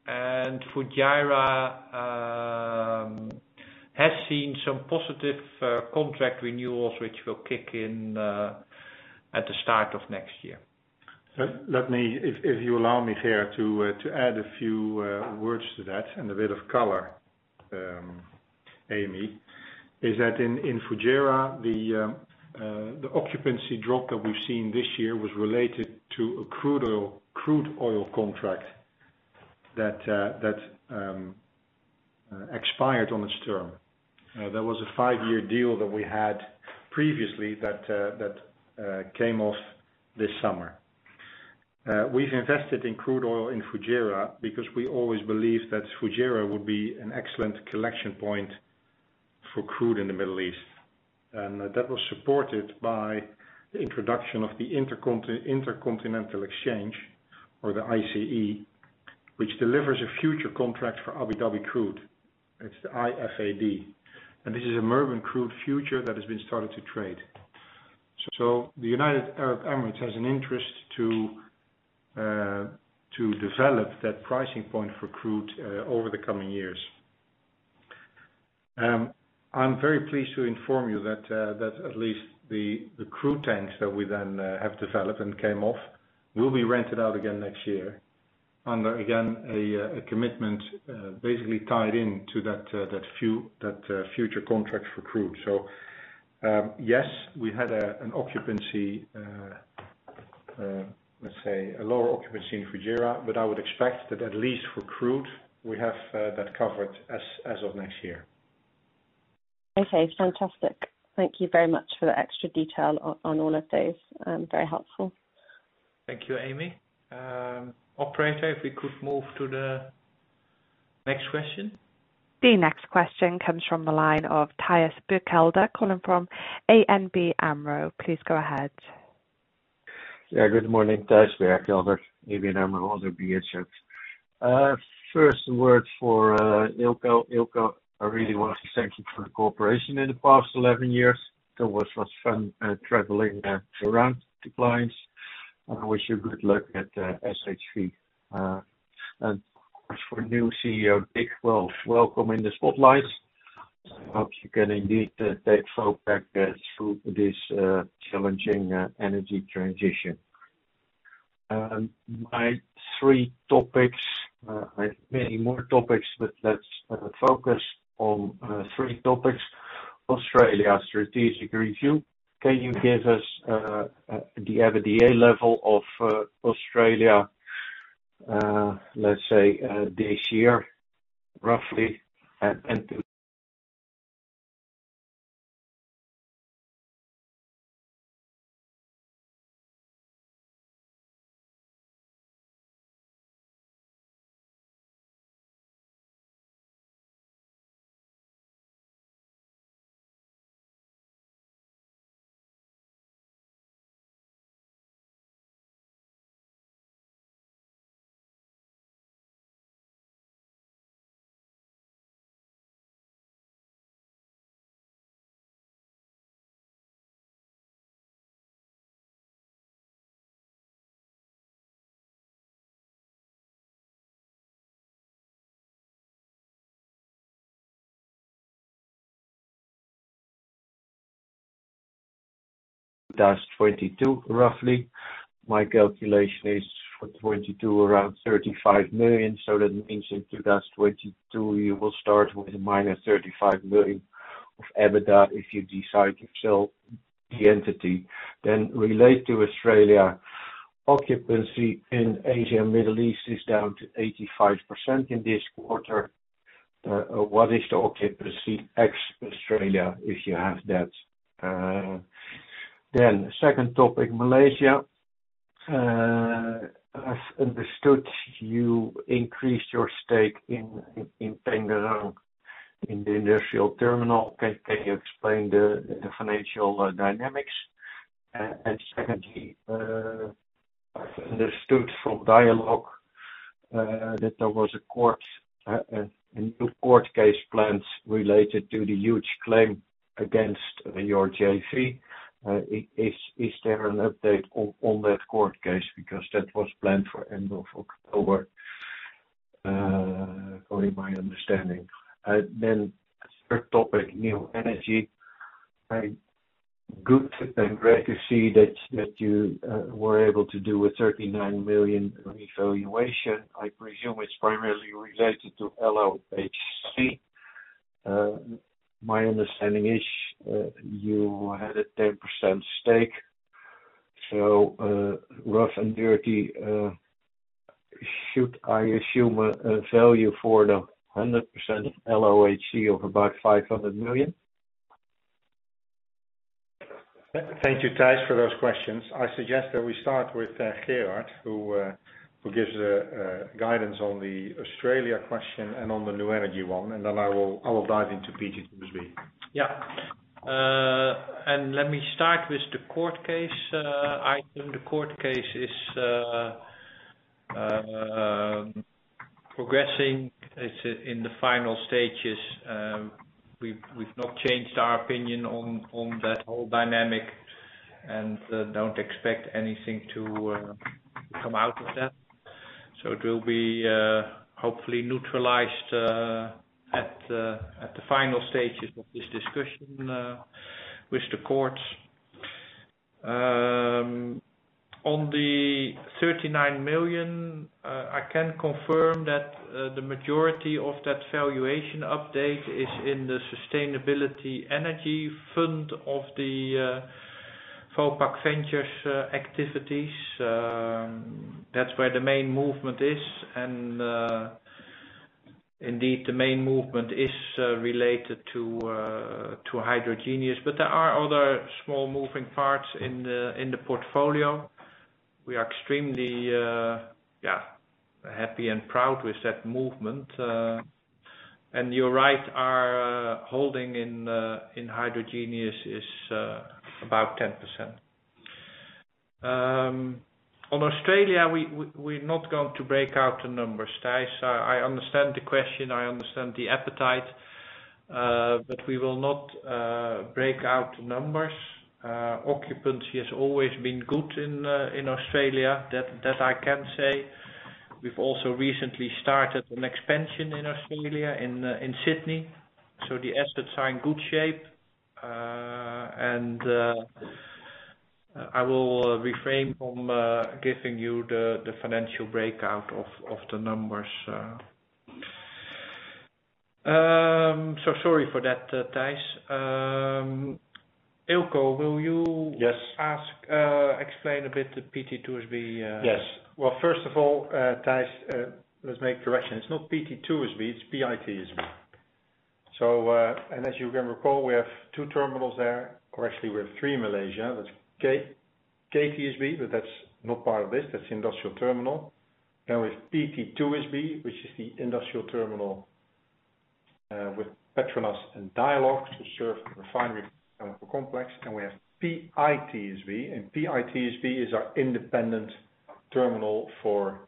and Fujairah has seen some positive contract renewals which will kick in at the start of next year. Let me, if you allow me, Gerard, to add a few words to that and a bit of color, Amy. In Fujairah, the occupancy drop that we've seen this year was related to a crude oil contract that expired on its term. That was a five-year deal that we had previously that came off this summer. We've invested in crude oil in Fujairah because we always believed that Fujairah would be an excellent collection point for crude in the Middle East. That was supported by the introduction of the Intercontinental Exchange, or the ICE, which delivers a futures contract for Abu Dhabi crude. It's the IFAD, and this is a Murban crude future that has started to trade. The United Arab Emirates has an interest to develop that pricing point for crude over the coming years. I'm very pleased to inform you that at least the crude tanks that we then have developed and came off will be rented out again next year under again a commitment basically tied in to that future contract for crude. Yes, we had an occupancy let's say a lower occupancy in Fujairah, but I would expect that at least for crude, we have that covered as of next year. Okay, fantastic. Thank you very much for the extra detail on all of those. Very helpful. Thank you, Amy. Operator, if we could move to the next question. The next question comes from the line of Thijs Berkelder, calling from ABN AMRO. Please go ahead. Yeah, good morning, Thijs Berkelder, ABN AMRO, also ODDO BHF. First word for Eelco. Eelco, I really want to thank you for the cooperation in the past 11 years. It was fun traveling around with the clients. I wish you good luck at SHV. And of course, for new CEO, Dick, well, welcome in the spotlight. I hope you can indeed take Vopak through this challenging energy transition. My three topics, I have many more topics, but let's focus on three topics. Australia strategic review. Can you give us the EBITDA level of Australia, let's say, this year, roughly? And to 2022, roughly. My calculation is for 2022 around 35 million, so that means in 2022 you will start with a minus 35 million of EBITDA if you decide to sell the entity. Relate to Australia, occupancy in Asia and Middle East is down to 85% in this quarter. What is the occupancy ex-Australia, if you have that? Second topic, Malaysia. As understood, you increased your stake in Pengerang in the industrial terminal. Can you explain the financial dynamics? And secondly, I've understood from Dialog that there was a new court case planned related to the huge claim against your JV. Is there an update on that court case? Because that was planned for end of October, according to my understanding. Third topic, new energy. I... Good and great to see that you were able to do a 39 million revaluation. I presume it's primarily related to LOHC. My understanding is you had a 10% stake. Rough and dirty, should I assume a value for the 100% LOHC of about 500 million? Thank you, Thijs, for those questions. I suggest that we start with Gerard, who gives a guidance on the Australia question and on the new energy one, and then I will dive into PTT2SB. Yeah. Let me start with the court case. I think the court case is progressing. It's in the final stages. We've not changed our opinion on that whole dynamic and don't expect anything to come out of that. It will be hopefully neutralized at the final stages of this discussion with the court. On the 39 million, I can confirm that the majority of that valuation update is in the sustainable energy fund of the Vopak Ventures activities. That's where the main movement is. Indeed, the main movement is related to Hydrogenious. But there are other small moving parts in the portfolio. We are extremely happy and proud with that movement. You're right, our holding in Hydrogenious is about 10%. On Australia, we're not going to break out the numbers, Thijs. I understand the question, I understand the appetite, but we will not break out the numbers. Occupancy has always been good in Australia. That I can say. We've also recently started an expansion in Australia, in Sydney. The assets are in good shape. I will refrain from giving you the financial breakout of the numbers. Sorry for that, Thijs. Eelco, will you- Yes. Explain a bit the PTT2SB. Yes. Well, first of all, Thijs, let's make correction. It's not PTT2SB, it's PITSB. As you can recall, we have two terminals there, or actually we have three in Malaysia. That's KTSB, but that's not part of this. That's the industrial terminal. Then with PTT2SB, which is the industrial terminal, with Petronas and Dialog to serve the refinery chemical complex. We have PITSB. PITSB is our independent terminal for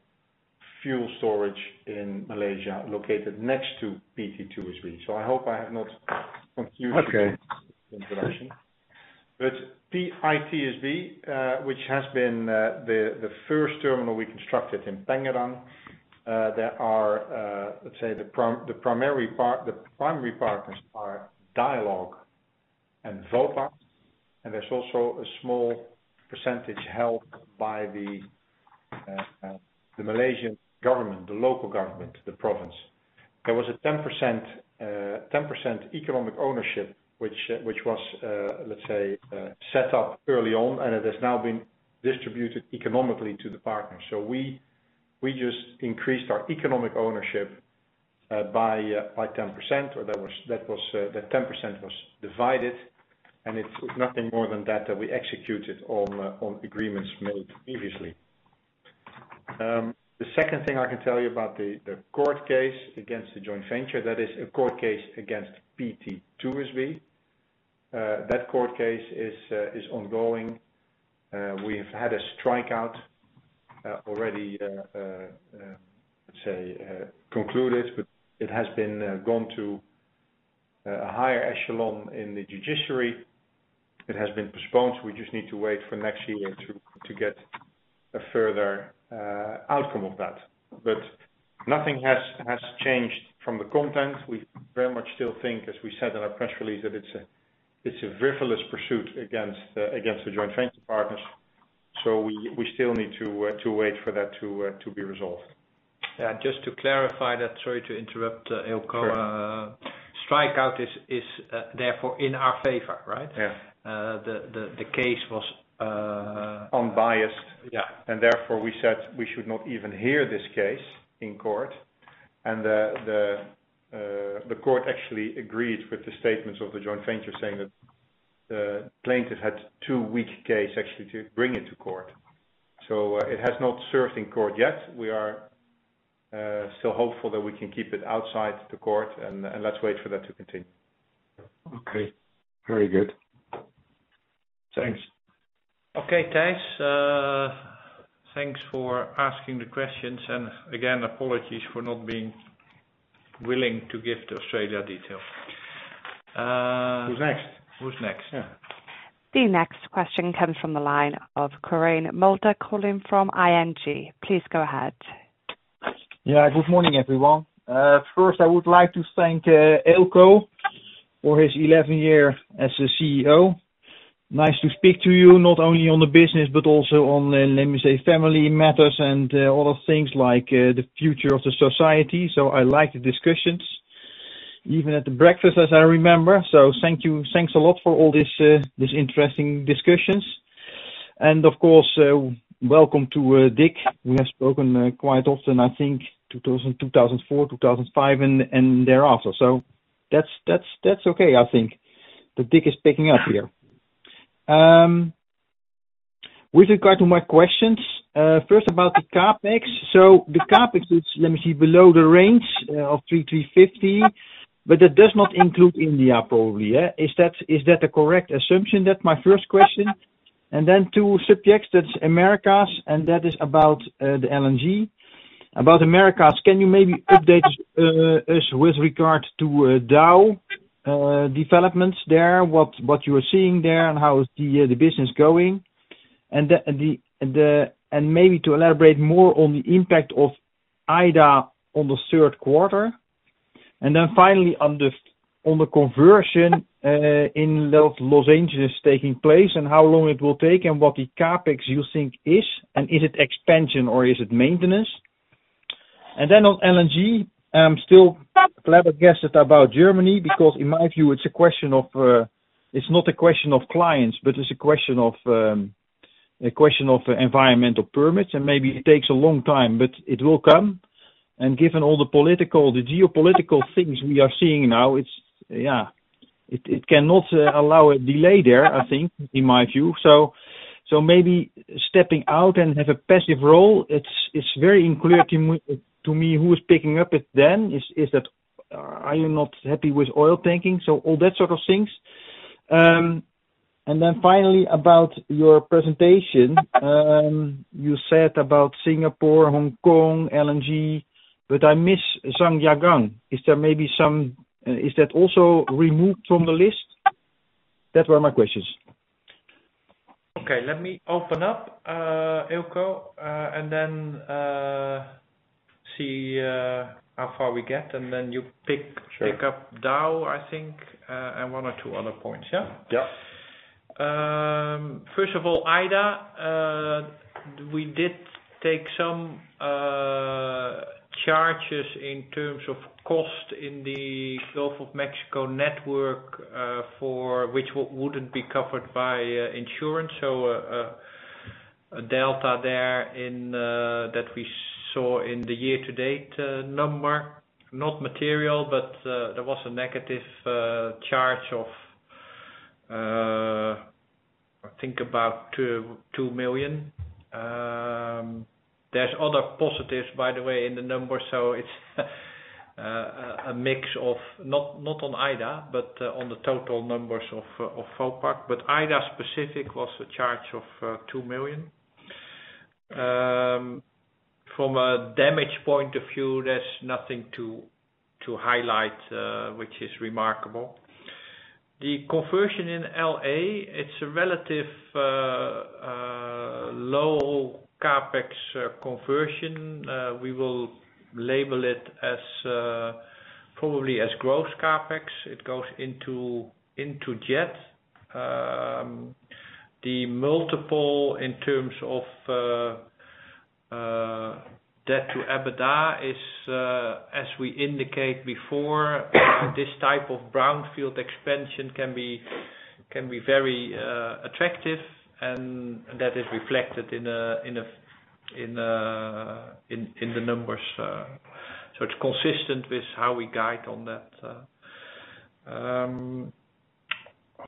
fuel storage in Malaysia, located next to PTT2SB. I hope I have not confused you. Okay. PITSB, which has been the first terminal we constructed in Pengerang, there are, let's say, the primary partners are Dialog and Vopak, and there's also a small percentage held by the Malaysian government, the local government, the province. There was a 10% economic ownership, which was, let's say, set up early on, and it has now been distributed economically to the partners. We just increased our economic ownership by 10%, or that 10% was divided, and it's nothing more than that we executed on agreements made previously. The second thing I can tell you about the court case against the joint venture, that is a court case against PT TUSV. That court case is ongoing. We've had a strikeout already concluded, but it has been gone to a higher echelon in the judiciary. It has been postponed, so we just need to wait for next year to get a further outcome of that. But nothing has changed from the content. We very much still think, as we said in our press release, that it's a frivolous pursuit against the joint venture partners. We still need to wait for that to be resolved. Yeah, just to clarify that, sorry to interrupt, Eelco. Sure. Strikeout is therefore in our favor, right? Yeah. The case was. Unbiased. Yeah. Therefore, we said we should not even hear this case in court. The court actually agreed with the statements of the joint venture, saying that the plaintiff had too weak case actually to bring it to court. It has not served in court yet. We are still hopeful that we can keep it outside the court and let's wait for that to continue. Okay. Very good. Thanks. Okay, Thijs, thanks for asking the questions and again, apologies for not being willing to give the Australia details. Who's next? Who's next? Yeah. The next question comes from the line of Quirijn Mulder calling from ING. Please go ahead. Good morning, everyone. First, I would like to thank Eelco for his 11th year as the CEO. Nice to speak to you, not only on the business, but also on the, let me say, family matters and other things like the future of the society. I like the discussions. Even at the breakfast, as I remember. Thank you. Thanks a lot for all this interesting discussions. Of course, welcome to Dick. We have spoken quite often, I think, 2004, 2005, and thereafter. That's okay, I think. Dick is picking up here. With regard to my questions, first about the CapEx. The CapEx is, let me see, below the range of 350. That does not include India, probably. Is that a correct assumption? That my first question. Then two subjects, that's Americas, and that is about the LNG. About Americas, can you maybe update us with regards to Dow developments there, what you are seeing there, and how is the business going? Maybe to elaborate more on the impact of Ida on the third quarter. Then finally on the conversion in Los Angeles taking place, and how long it will take, and what the CapEx you think is, and is it expansion or is it maintenance? On LNG, still clever guesses about Germany, because in my view, it's not a question of clients, but it's a question of environmental permits, and maybe it takes a long time, but it will come. Given all the geopolitical things we are seeing now, it's yeah, it cannot allow a delay there, I think, in my view. Maybe stepping out and have a passive role, it's very unclear to me who is picking up it then. Is that. Are you not happy with oil thinking. All that sort of things. Finally about your presentation. You said about Singapore, Hong Kong, LNG, but I miss Zhangjiagang. Is there maybe some. Is that also removed from the list? That were my questions. Okay. Let me open up, Eelco, and then see how far we get, and then you pick- Sure. Pick up Dow, I think, and one or two other points. Yeah? Yeah. First of all, Ida, we did take some charges in terms of cost in the Gulf of Mexico network, for which wouldn't be covered by insurance. Delta there in that we saw in the year-to-date number. Not material, but there was a negative charge of, I think about $2 million. There are other positives, by the way, in the numbers. It's a mix of not on Ida, but on the total numbers of Vopak. Hurricane Ida specific was a charge of $2 million. From a damage point of view, there's nothing to highlight, which is remarkable. The conversion in L.A., it's a relatively low CapEx conversion. We will label it as probably as growth CapEx. It goes into jet. The multiple in terms of debt to EBITDA is, as we indicate before, this type of brownfield expansion can be very attractive, and that is reflected in the numbers. So it's consistent with how we guide on that.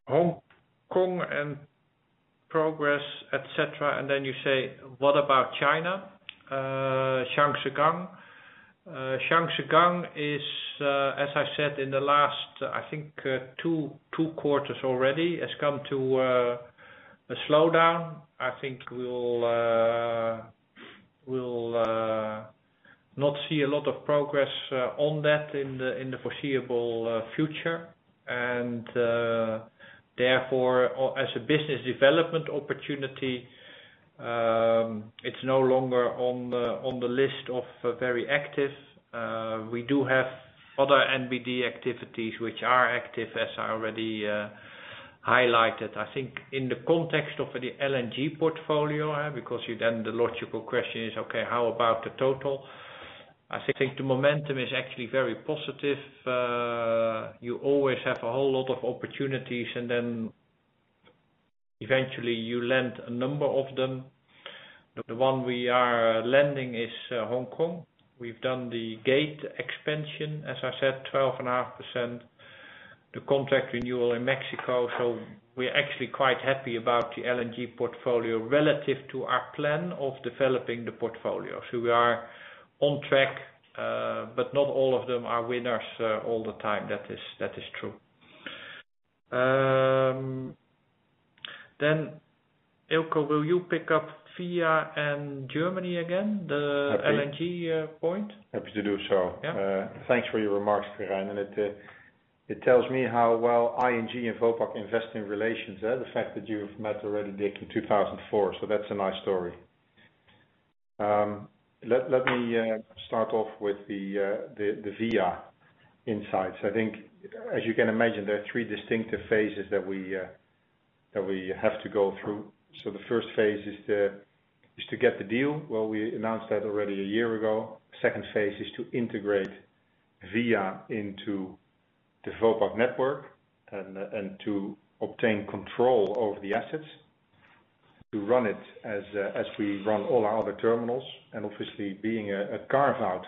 Hong Kong and progress, et cetera, and then you say, "What about China?" Zhangjiagang. Zhangjiagang is, as I said in the last two quarters already, has come to a slowdown. I think we'll not see a lot of progress on that in the foreseeable future. Therefore, as a business development opportunity, it's no longer on the list of very active. We do have other NBD activities which are active, as I already highlighted. I think in the context of the LNG portfolio, because you then the logical question is, "Okay, how about the total?" I think the momentum is actually very positive. You always have a whole lot of opportunities, and then eventually you land a number of them. The one we are landing is Hong Kong. We've done the Gate expansion, as I said, 12.5%, the contract renewal in Mexico. We're actually quite happy about the LNG portfolio relative to our plan of developing the portfolio. We are on track, but not all of them are winners all the time. That is true. Eelco, will you pick up VIA and Germany again? Happy. The LNG point? Happy to do so. Yeah. Thanks for your remarks, Gerard. It tells me how well ING and Vopak investor relations, the fact that you've met already Dick in 2004. That's a nice story. Let me start off with the VIA insights. I think as you can imagine, there are three distinctive phases that we... That we have to go through. The first phase is to get the deal. Well, we announced that already a year ago. Second phase is to integrate Via into the Vopak network and to obtain control over the assets. To run it as we run all our other terminals. Obviously being a carve-out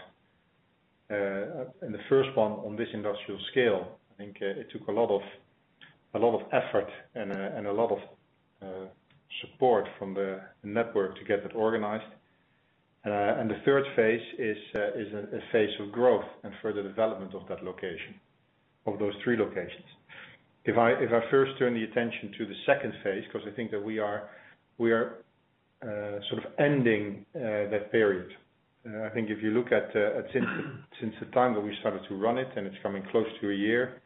and the first one on this industrial scale, I think it took a lot of effort and a lot of support from the network to get that organized. The third phase is a phase of growth and further development of that location, of those three locations. If I first turn the attention to the second phase, 'cause I think that we are sort of ending that period. I think if you look at since the time that we started to run it, and it's coming close to a year,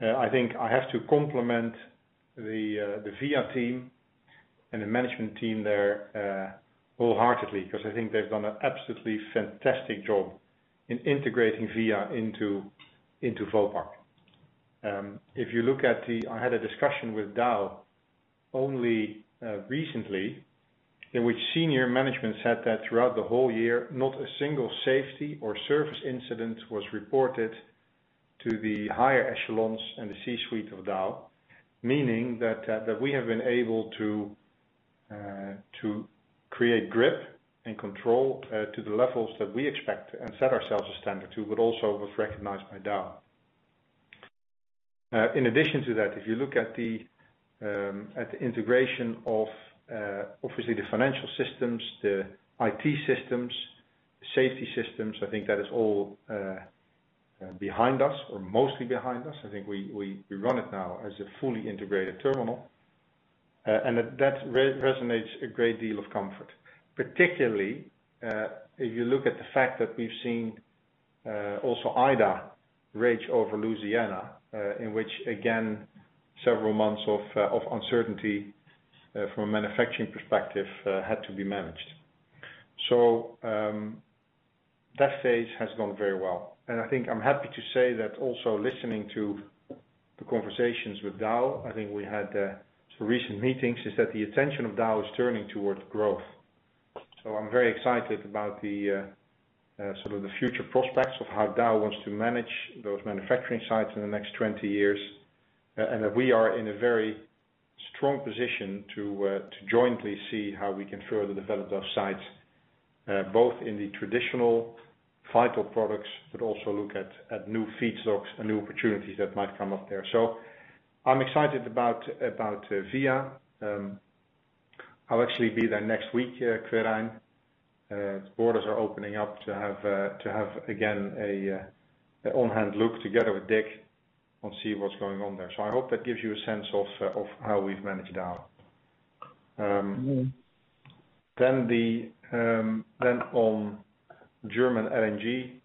I think I have to compliment the VIA team and the management team there wholeheartedly, 'cause I think they've done an absolutely fantastic job in integrating VIA into Vopak. If you look at, I had a discussion with Dow only recently, in which senior management said that throughout the whole year, not a single safety or service incident was reported to the higher echelons and the C-suite of Dow. Meaning that we have been able to create grip and control to the levels that we expect and set ourselves a standard to, but also was recognized by Dow. In addition to that, if you look at the integration of obviously the financial systems, the IT systems, safety systems, I think that is all behind us or mostly behind us. I think we run it now as a fully integrated terminal. That resonates a great deal of comfort. Particularly, if you look at the fact that we've seen also Ida raged over Louisiana, in which again, several months of uncertainty from a manufacturing perspective had to be managed. That phase has gone very well. I think I'm happy to say that also listening to the conversations with Dow, I think we had some recent meetings, is that the attention of Dow is turning towards growth. I'm very excited about the sort of future prospects of how Dow wants to manage those manufacturing sites in the next 20 years, and that we are in a very strong position to jointly see how we can further develop those sites, both in the traditional vital products, but also look at new feedstocks and new opportunities that might come up there. I'm excited about VIA. I'll actually be there next week, Quirijn. Borders are opening up to have again an hands-on look together with Dick and see what's going on there. I hope that gives you a sense of how we've managed Dow. On German LNG,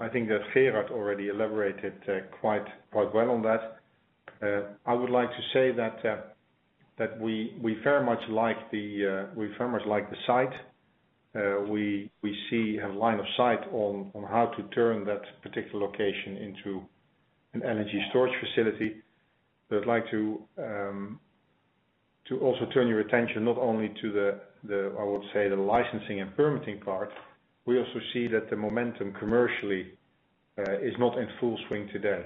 I think that Gerard already elaborated quite well on that. I would like to say that we very much like the site. We see a line of sight on how to turn that particular location into an energy storage facility. I'd like to also turn your attention not only to the, I would say, the licensing and permitting part. We also see that the momentum commercially is not in full swing today.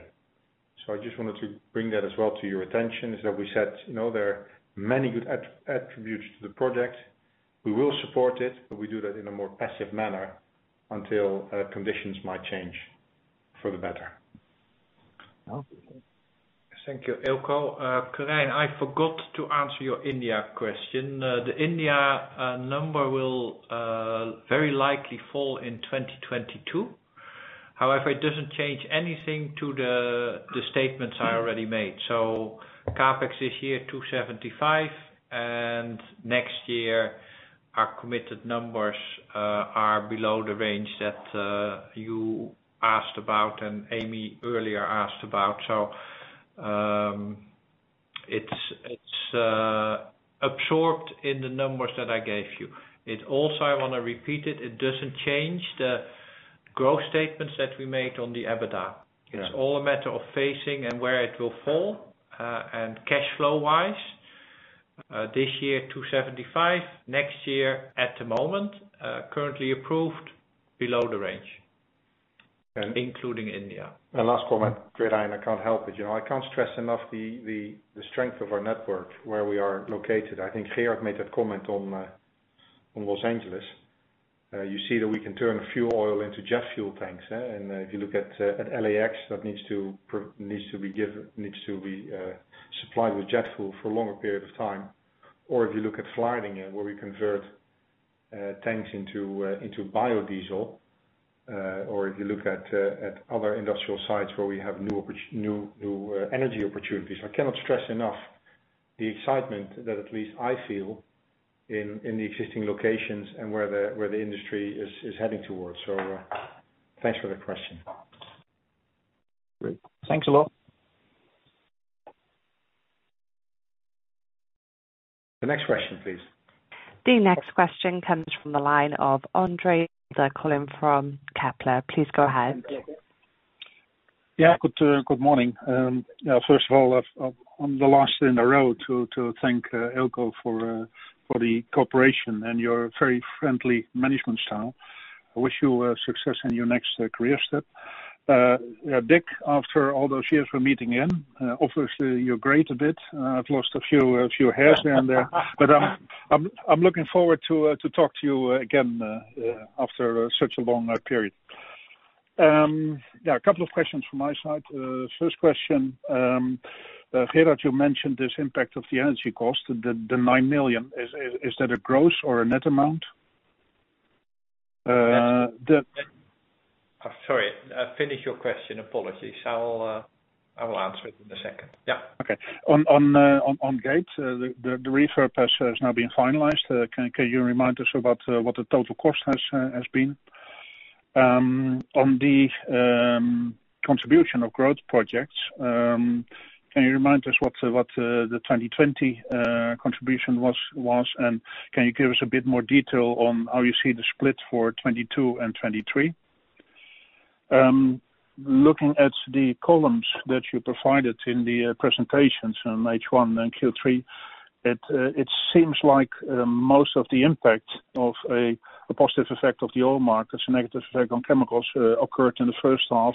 I just wanted to bring that as well to your attention, is that we said, you know, there are many good attributes to the project. We will support it, but we do that in a more passive manner until conditions might change for the better. Thank you, Eelco. Quirijn, I forgot to answer your India question. The India number will very likely fall in 2022. However, it doesn't change anything to the statements I already made. CapEx this year, 275 million, and next year, our committed numbers are below the range that you asked about and Amy earlier asked about. It's absorbed in the numbers that I gave you. It also, I wanna repeat it doesn't change the growth statements that we made on the EBITDA. Yeah. It's all a matter of phasing and where it will fall, and cash flow wise, this year 275, next year at the moment, currently approved below the range, including India. Last comment, Quirijn, I can't help it. You know, I can't stress enough the strength of our network, where we are located. I think Gerard made a comment on Los Angeles. You see that we can turn fuel oil into jet fuel tanks, and if you look at LAX, that needs to be supplied with jet fuel for a longer period of time. Or if you look at Vlaardingen, where we convert tanks into biodiesel, or if you look at other industrial sites where we have new energy opportunities. I cannot stress enough the excitement that at least I feel in the existing locations and where the industry is heading towards. Thanks for the question. Great. Thanks a lot. The next question, please. The next question comes from the line of Andre Mulder calling from Kepler. Please go ahead. Good morning. First of all, I'm the last in the row to thank Eelco for the cooperation and your very friendly management style. I wish you success in your next career step. Dick, after all those years of meeting again, obviously you've grayed a bit. I've lost a few hairs here and there. I'm looking forward to talk to you again after such a long period. A couple of questions from my side. First question, Gerard, you mentioned this impact of the energy cost, the 9 million. Is that a gross or a net amount? The- Sorry. Finish your question. Apologies. I will answer it in a second. Yeah. Okay. On Gate, the refurb has now been finalized. Can you remind us about what the total cost has been? On the contribution of growth projects, can you remind us what the 2020 contribution was, and can you give us a bit more detail on how you see the split for 2022 and 2023? Looking at the columns that you provided in the presentations in H1 and Q3, it seems like most of the impact of a positive effect of the oil markets, a negative effect on chemicals, occurred in the first half.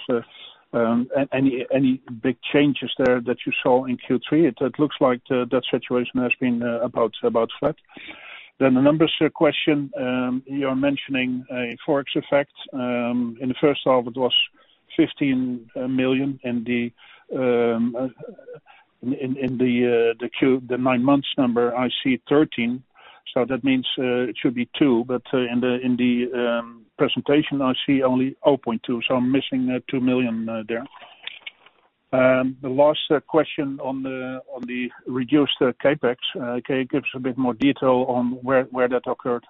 Any big changes there that you saw in Q3? It looks like that situation has been about flat. A number question, you're mentioning a Forex effect in the first half, it was 15 million. In the nine months number, I see 13, so that means it should be 2. But in the presentation, I see only 0.2, so I'm missing 2 million there. The last question on the reduced CapEx, can you give us a bit more detail on where that occurred?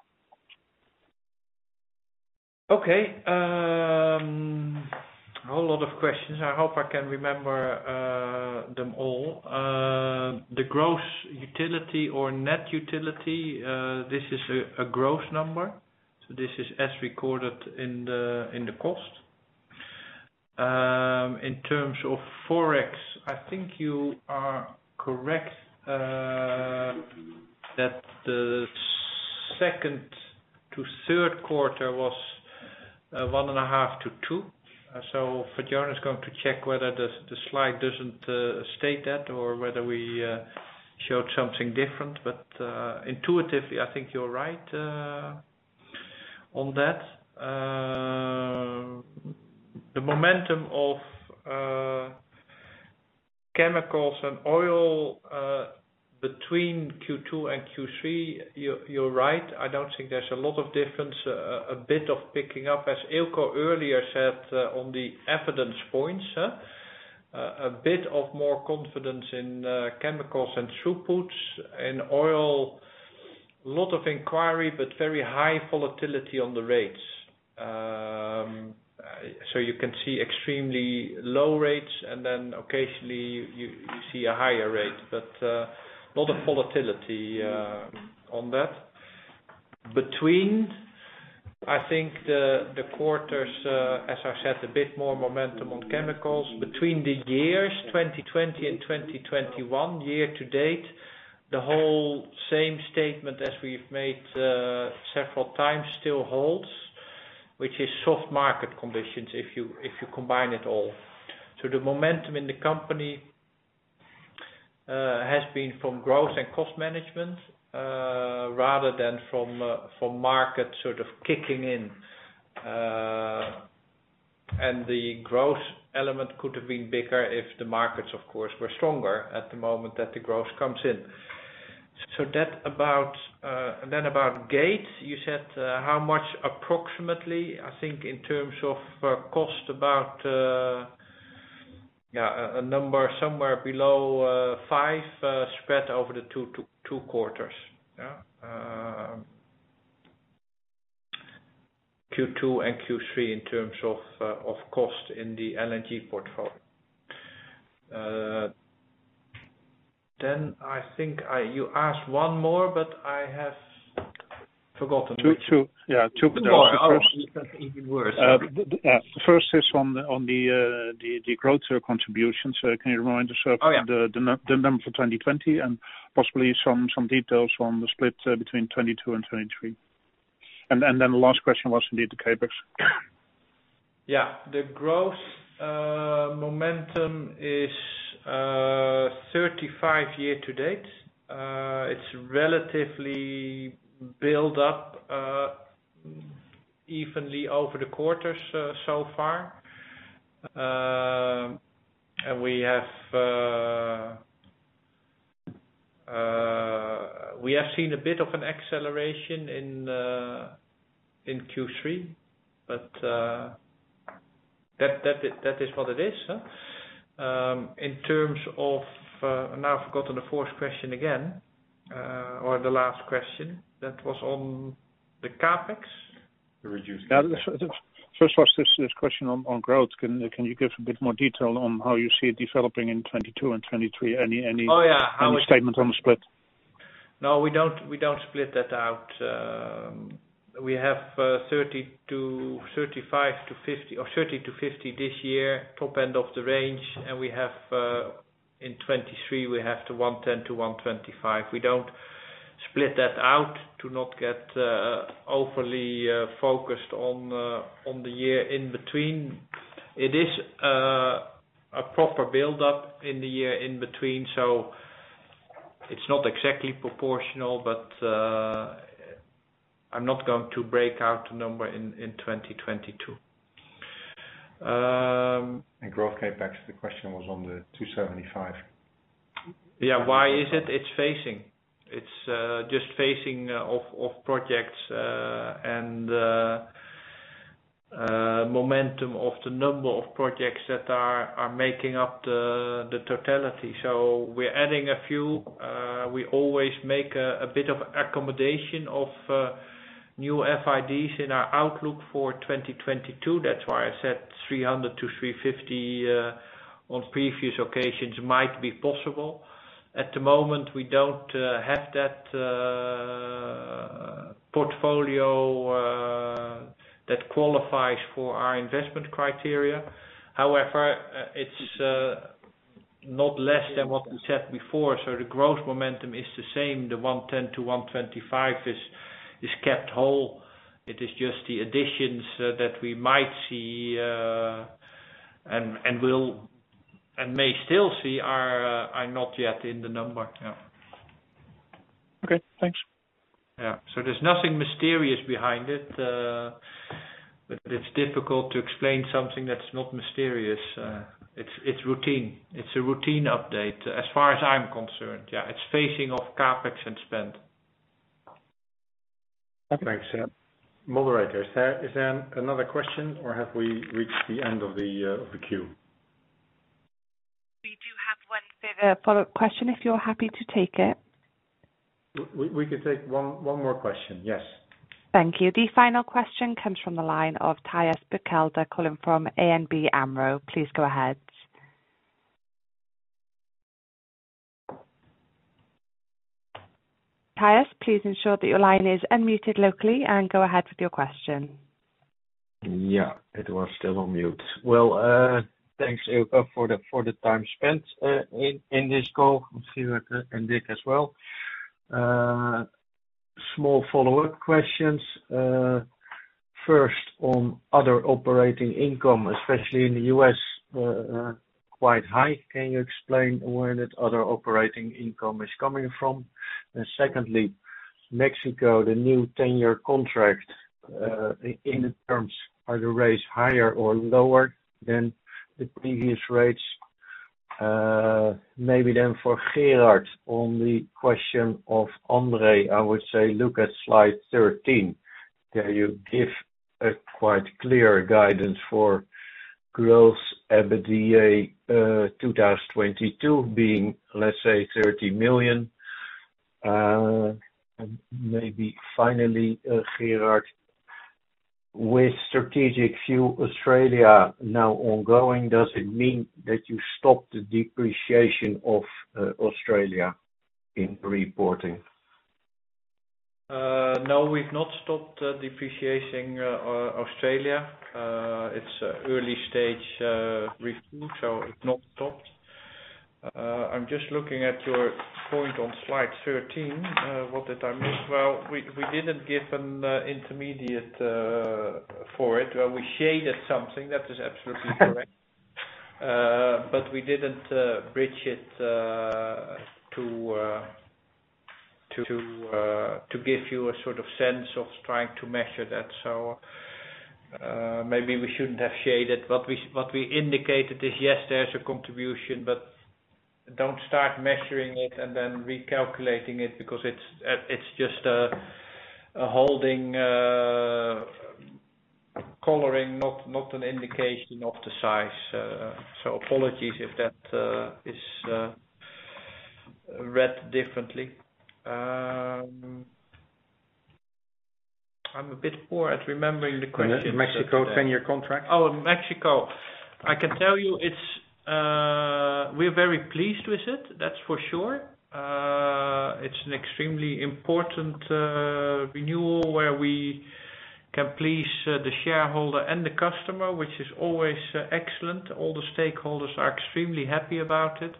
Okay. A whole lot of questions. I hope I can remember them all. The gross utility or net utility, this is a gross number. This is as recorded in the cost. In terms of Forex, I think you are correct, that the second to third quarter was 1.5-2. Fatjona is going to check whether the slide doesn't state that or whether we showed something different. Intuitively, I think you're right on that. The momentum of chemicals and oil between Q2 and Q3, you're right. I don't think there's a lot of difference, a bit of picking up, as Eelco earlier said, on the evidence points, a bit of more confidence in chemicals and throughputs. In oil, a lot of inquiry, but very high volatility on the rates. You can see extremely low rates, and then occasionally you see a higher rate. A lot of volatility on that. Between the quarters, I think, as I said, a bit more momentum on chemicals. Between the years 2020 and 2021, year-to-date, the whole same statement as we've made several times still holds, which is soft market conditions if you combine it all. The momentum in the company has been from growth and cost management rather than from market sort of kicking in. The growth element could have been bigger if the markets, of course, were stronger at the moment that the growth comes in. That about. About Gate's, you said how much approximately. I think in terms of cost about yeah a number somewhere below 5 spread over the two to two quarters. Yeah. Q2 and Q3 in terms of cost in the LNG portfolio. I think you asked one more, but I have forgotten. Two. Yeah, two. Even worse. First is on the growth contribution. Can you remind us of- Oh, yeah. the number for 2020 and possibly some details on the split between 2022 and 2023. Then the last question was indeed the CapEx. Yeah. The growth momentum is 35% year-to-date. It's relatively built up evenly over the quarters so far. We have seen a bit of an acceleration in Q3, but that is what it is. Now, I've forgotten the fourth question again or the last question. That was on the CapEx. Now, first was this question on growth. Can you give a bit more detail on how you see it developing in 2022 and 2023? Oh, yeah. Any statements on the split? No, we don't split that out. We have 30-50 this year, top end of the range. We have in 2023 110-125. We don't split that out to not get overly focused on the year in between. It is a proper build up in the year in between, so it's not exactly proportional. I'm not going to break out the number in 2022. Growth CapEx, the question was on the 275. Yeah. Why is it? It's phasing. It's just phasing of projects and momentum of the number of projects that are making up the totality. We're adding a few. We always make a bit of accommodation of new FIDs in our outlook for 2022. That's why I said 300-350 on previous occasions might be possible. At the moment, we don't have that portfolio that qualifies for our investment criteria. However, it's not less than what we said before. The growth momentum is the same. The 110-125 is kept whole. It is just the additions that we might see and will and may still see are not yet in the number. Yeah. Okay, thanks. Yeah. There's nothing mysterious behind it. It's difficult to explain something that's not mysterious. It's routine. It's a routine update as far as I'm concerned. Yeah, it's phasing of CapEx and spend. Okay. Thanks. Moderator, is there another question or have we reached the end of the queue? We do have one further follow-up question if you're happy to take it. We can take one more question. Yes. Thank you. The final question comes from the line of Thijs Berkelder calling from ABN AMRO. Please go ahead. Thijs, please ensure that your line is unmuted locally and go ahead with your question. Yeah, it was still on mute. Well, thanks, Eelco, for the time spent in this call, Gerard and Dick as well. Small follow-up questions. First, on other operating income, especially in the U.S., quite high. Can you explain where that other operating income is coming from? Secondly, Mexico, the new 10-year contract, in terms, are the rates higher or lower than the previous rates? Maybe then for Gerard, on the question of Andre, I would say look at slide 13, where you give a quite clear guidance for growth EBITDA, 2022 being, let's say, 30 million. Maybe finally, Gerard, with strategic fuel Australia now ongoing, does it mean that you stopped the depreciation of Australia in reporting? No, we've not stopped depreciation, Australia. It's early stage review, so it's not stopped. I'm just looking at your point on slide 13. What did I miss? Well, we didn't give an intermediate for it. Well, we shaded something. That is absolutely correct. But we didn't bridge it to give you a sort of sense of trying to measure that. Maybe we shouldn't have shaded. What we indicated is, yes, there's a contribution, but don't start measuring it and then recalculating it because it's just a holding coloring, not an indication of the size. Apologies if that is read differently. I'm a bit poor at remembering the questions. Mexico 10-year contract. Oh, Mexico. I can tell you it's we're very pleased with it, that's for sure. It's an extremely important renewal where we can please the shareholder and the customer, which is always excellent. All the stakeholders are extremely happy about it.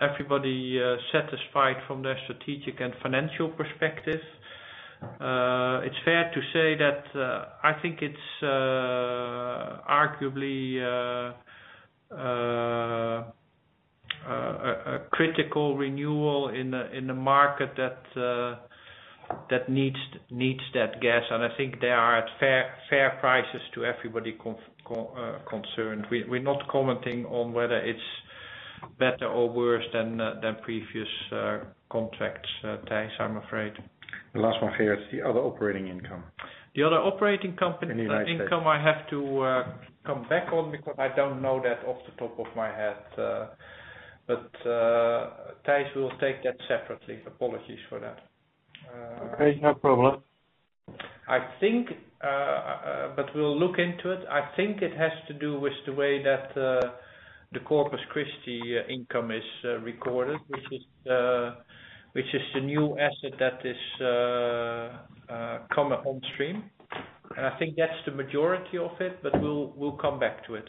Everybody satisfied from their strategic and financial perspective. It's fair to say that I think it's arguably a critical renewal in the market that needs that gas. I think they are at fair prices to everybody concerned. We're not commenting on whether it's better or worse than previous contracts, Thijs, I'm afraid. The last one, Gerard, the other operating income. The other operating comp- In the United States. Income, I have to come back on because I don't know that off the top of my head, but, Thijs, we'll take that separately. Apologies for that. Okay, no problem. I think we'll look into it. I think it has to do with the way that the Corpus Christi income is recorded, which is the new asset that is come onstream. I think that's the majority of it, but we'll come back to it.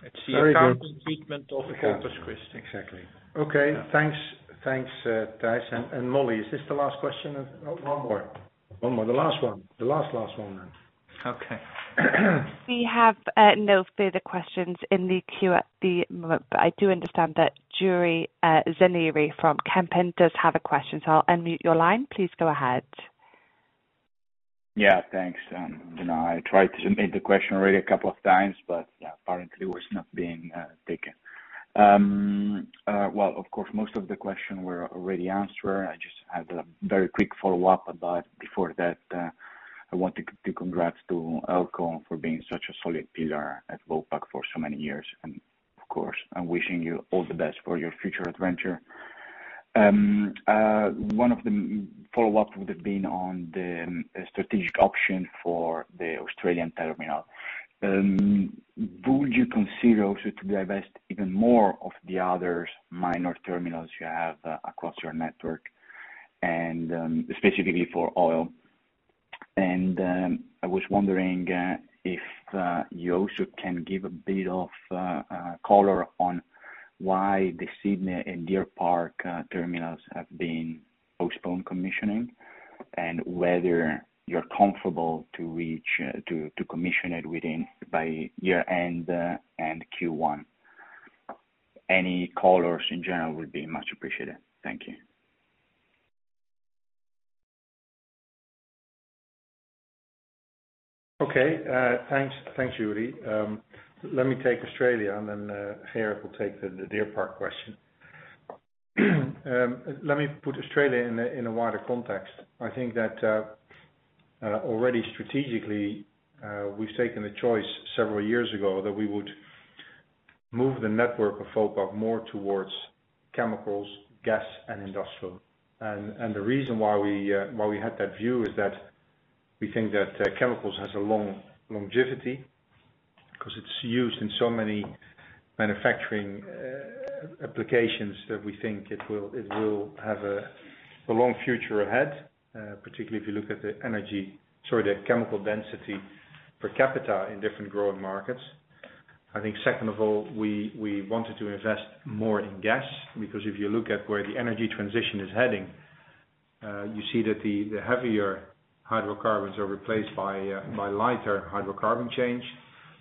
Very good. It's the accounting treatment of Corpus Christi. Exactly. Okay. Thanks, Thijs. Molly, is this the last question? Oh, one more. The last one then. Okay. We have no further questions in the queue at the moment, but I do understand that Juri Zanieri from Kempen does have a question, so I'll unmute your line. Please go ahead. Yeah, thanks. You know, I tried to submit the question already a couple of times, but apparently it was not being taken. Well, of course, most of the question were already answered. I just had a very quick follow-up. Before that, I want to do congrats to Eelco for being such a solid pillar at Vopak for so many years. Of course, I'm wishing you all the best for your future adventure. One of them follow up would have been on the strategic option for the Australian terminal. Would you consider also to divest even more of the others minor terminals you have across your network and, specifically for oil? I was wondering if you also can give a bit of color on why the Sydney and Deer Park terminals have been postponed commissioning and whether you're comfortable to commission it by year-end and Q1. Any colors in general would be much appreciated. Thank you. Okay. Thanks, Juri. Let me take Australia and then, Gerard will take the Deer Park question. Let me put Australia in a wider context. I think that already strategically, we've taken the choice several years ago that we would move the network of Vopak more towards chemicals, gas and industrial. The reason why we had that view is that we think that chemicals has a long longevity 'cause it's used in so many manufacturing applications that we think it will have a long future ahead, particularly if you look at the energy, sorry, the chemical density per capita in different growing markets. I think second of all, we wanted to invest more in gas because if you look at where the energy transition is heading, you see that the heavier hydrocarbons are replaced by by lighter hydrocarbon chains.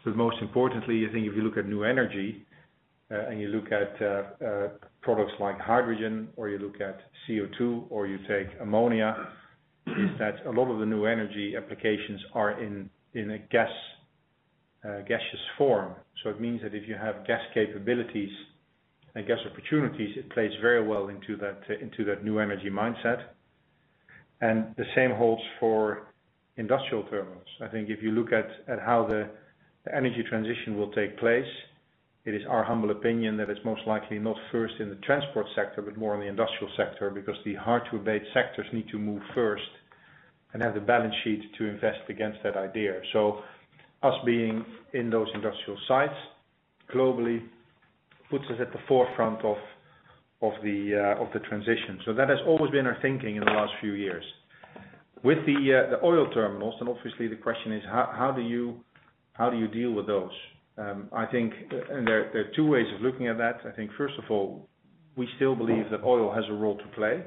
Most importantly, I think if you look at new energy and you look at products like hydrogen or you look at CO2 or you take ammonia, a lot of the new energy applications are in a gas gaseous form. It means that if you have gas capabilities and gas opportunities, it plays very well into that new energy mindset. The same holds for industrial terminals. I think if you look at how the energy transition will take place, it is our humble opinion that it's most likely not first in the transport sector, but more in the industrial sector because the hard to abate sectors need to move first and have the balance sheet to invest against that idea. Us being in those industrial sites globally puts us at the forefront of the transition. That has always been our thinking in the last few years. With the oil terminals, and obviously the question is how do you deal with those? I think and there are two ways of looking at that. I think first of all, we still believe that oil has a role to play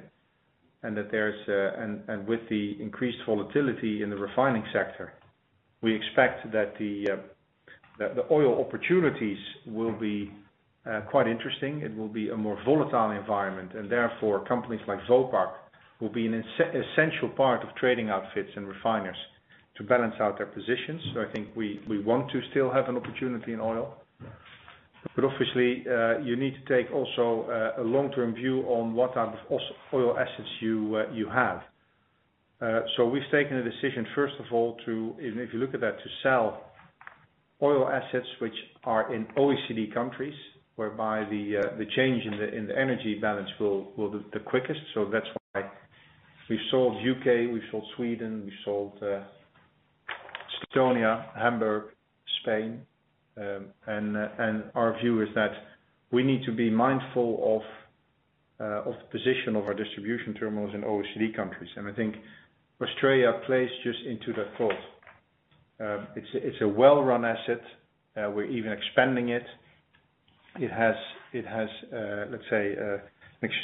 and that there's, and with the increased volatility in the refining sector, we expect that the oil opportunities will be quite interesting. It will be a more volatile environment and therefore companies like Vopak will be an essential part of trading outfits and refiners to balance out their positions. I think we want to still have an opportunity in oil, but obviously you need to take also a long term view on what type of oil assets you have. We've taken a decision first of all to, if you look at that, to sell oil assets which are in OECD countries, whereby the change in the energy balance will be the quickest. That's why we sold U.K., we sold Sweden, we sold Estonia, Hamburg, Spain. Our view is that we need to be mindful of the position of our distribution terminals in OECD countries. I think Australia plays just into that thought. It's a well-run asset. We're even expanding it. It has, let's say,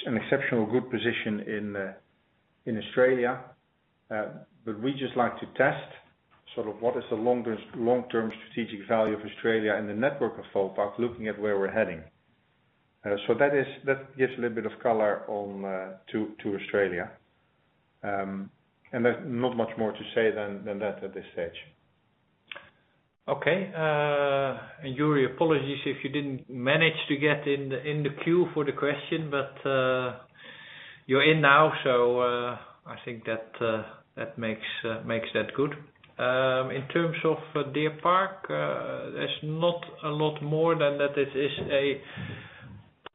an exceptional good position in Australia. But we just like to test sort of what is the long-term strategic value of Australia and the network of Vopak looking at where we're heading. That gives a little bit of color on to Australia. There's not much more to say than that at this stage. Okay, Juri, apologies if you didn't manage to get in the queue for the question, but you're in now, so I think that makes that good. In terms of Deer Park, there's not a lot more than that. It is a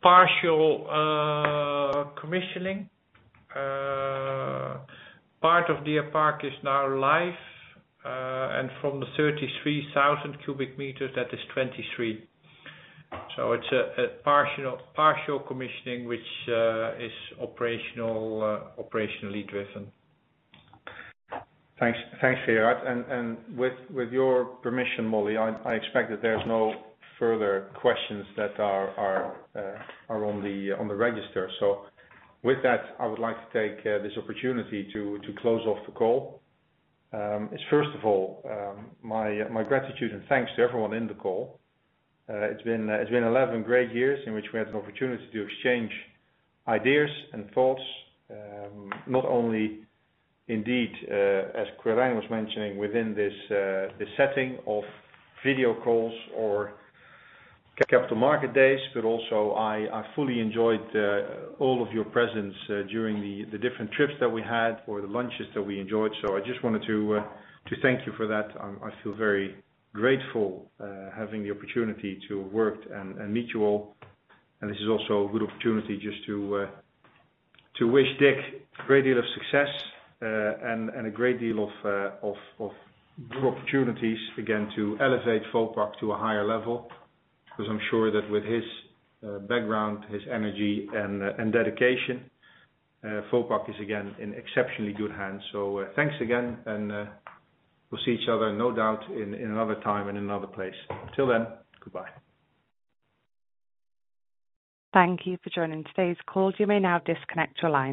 partial commissioning. Part of Deer Park is now live, and from the 33,000 cu m, that is 23. It's a partial commissioning, which is operationally driven. Thanks. Thanks, Gerard. With your permission, Molly, I expect that there's no further questions that are on the register. With that, I would like to take this opportunity to close off the call. First of all, my gratitude and thanks to everyone in the call. It's been 11 great years in which we had an opportunity to exchange ideas and thoughts, not only indeed, as Quirijn was mentioning within this setting of video calls or capital market days, but also I fully enjoyed all of your presence during the different trips that we had or the lunches that we enjoyed. I just wanted to thank you for that. I feel very grateful having the opportunity to work and meet you all. This is also a good opportunity just to wish Dick a great deal of success, and a great deal of good opportunities again to elevate Vopak to a higher level, because I'm sure that with his background, his energy and dedication, Vopak is again in exceptionally good hands. Thanks again, and we'll see each other no doubt in another time and another place. Till then, goodbye. Thank you for joining today's call. You may now disconnect your lines.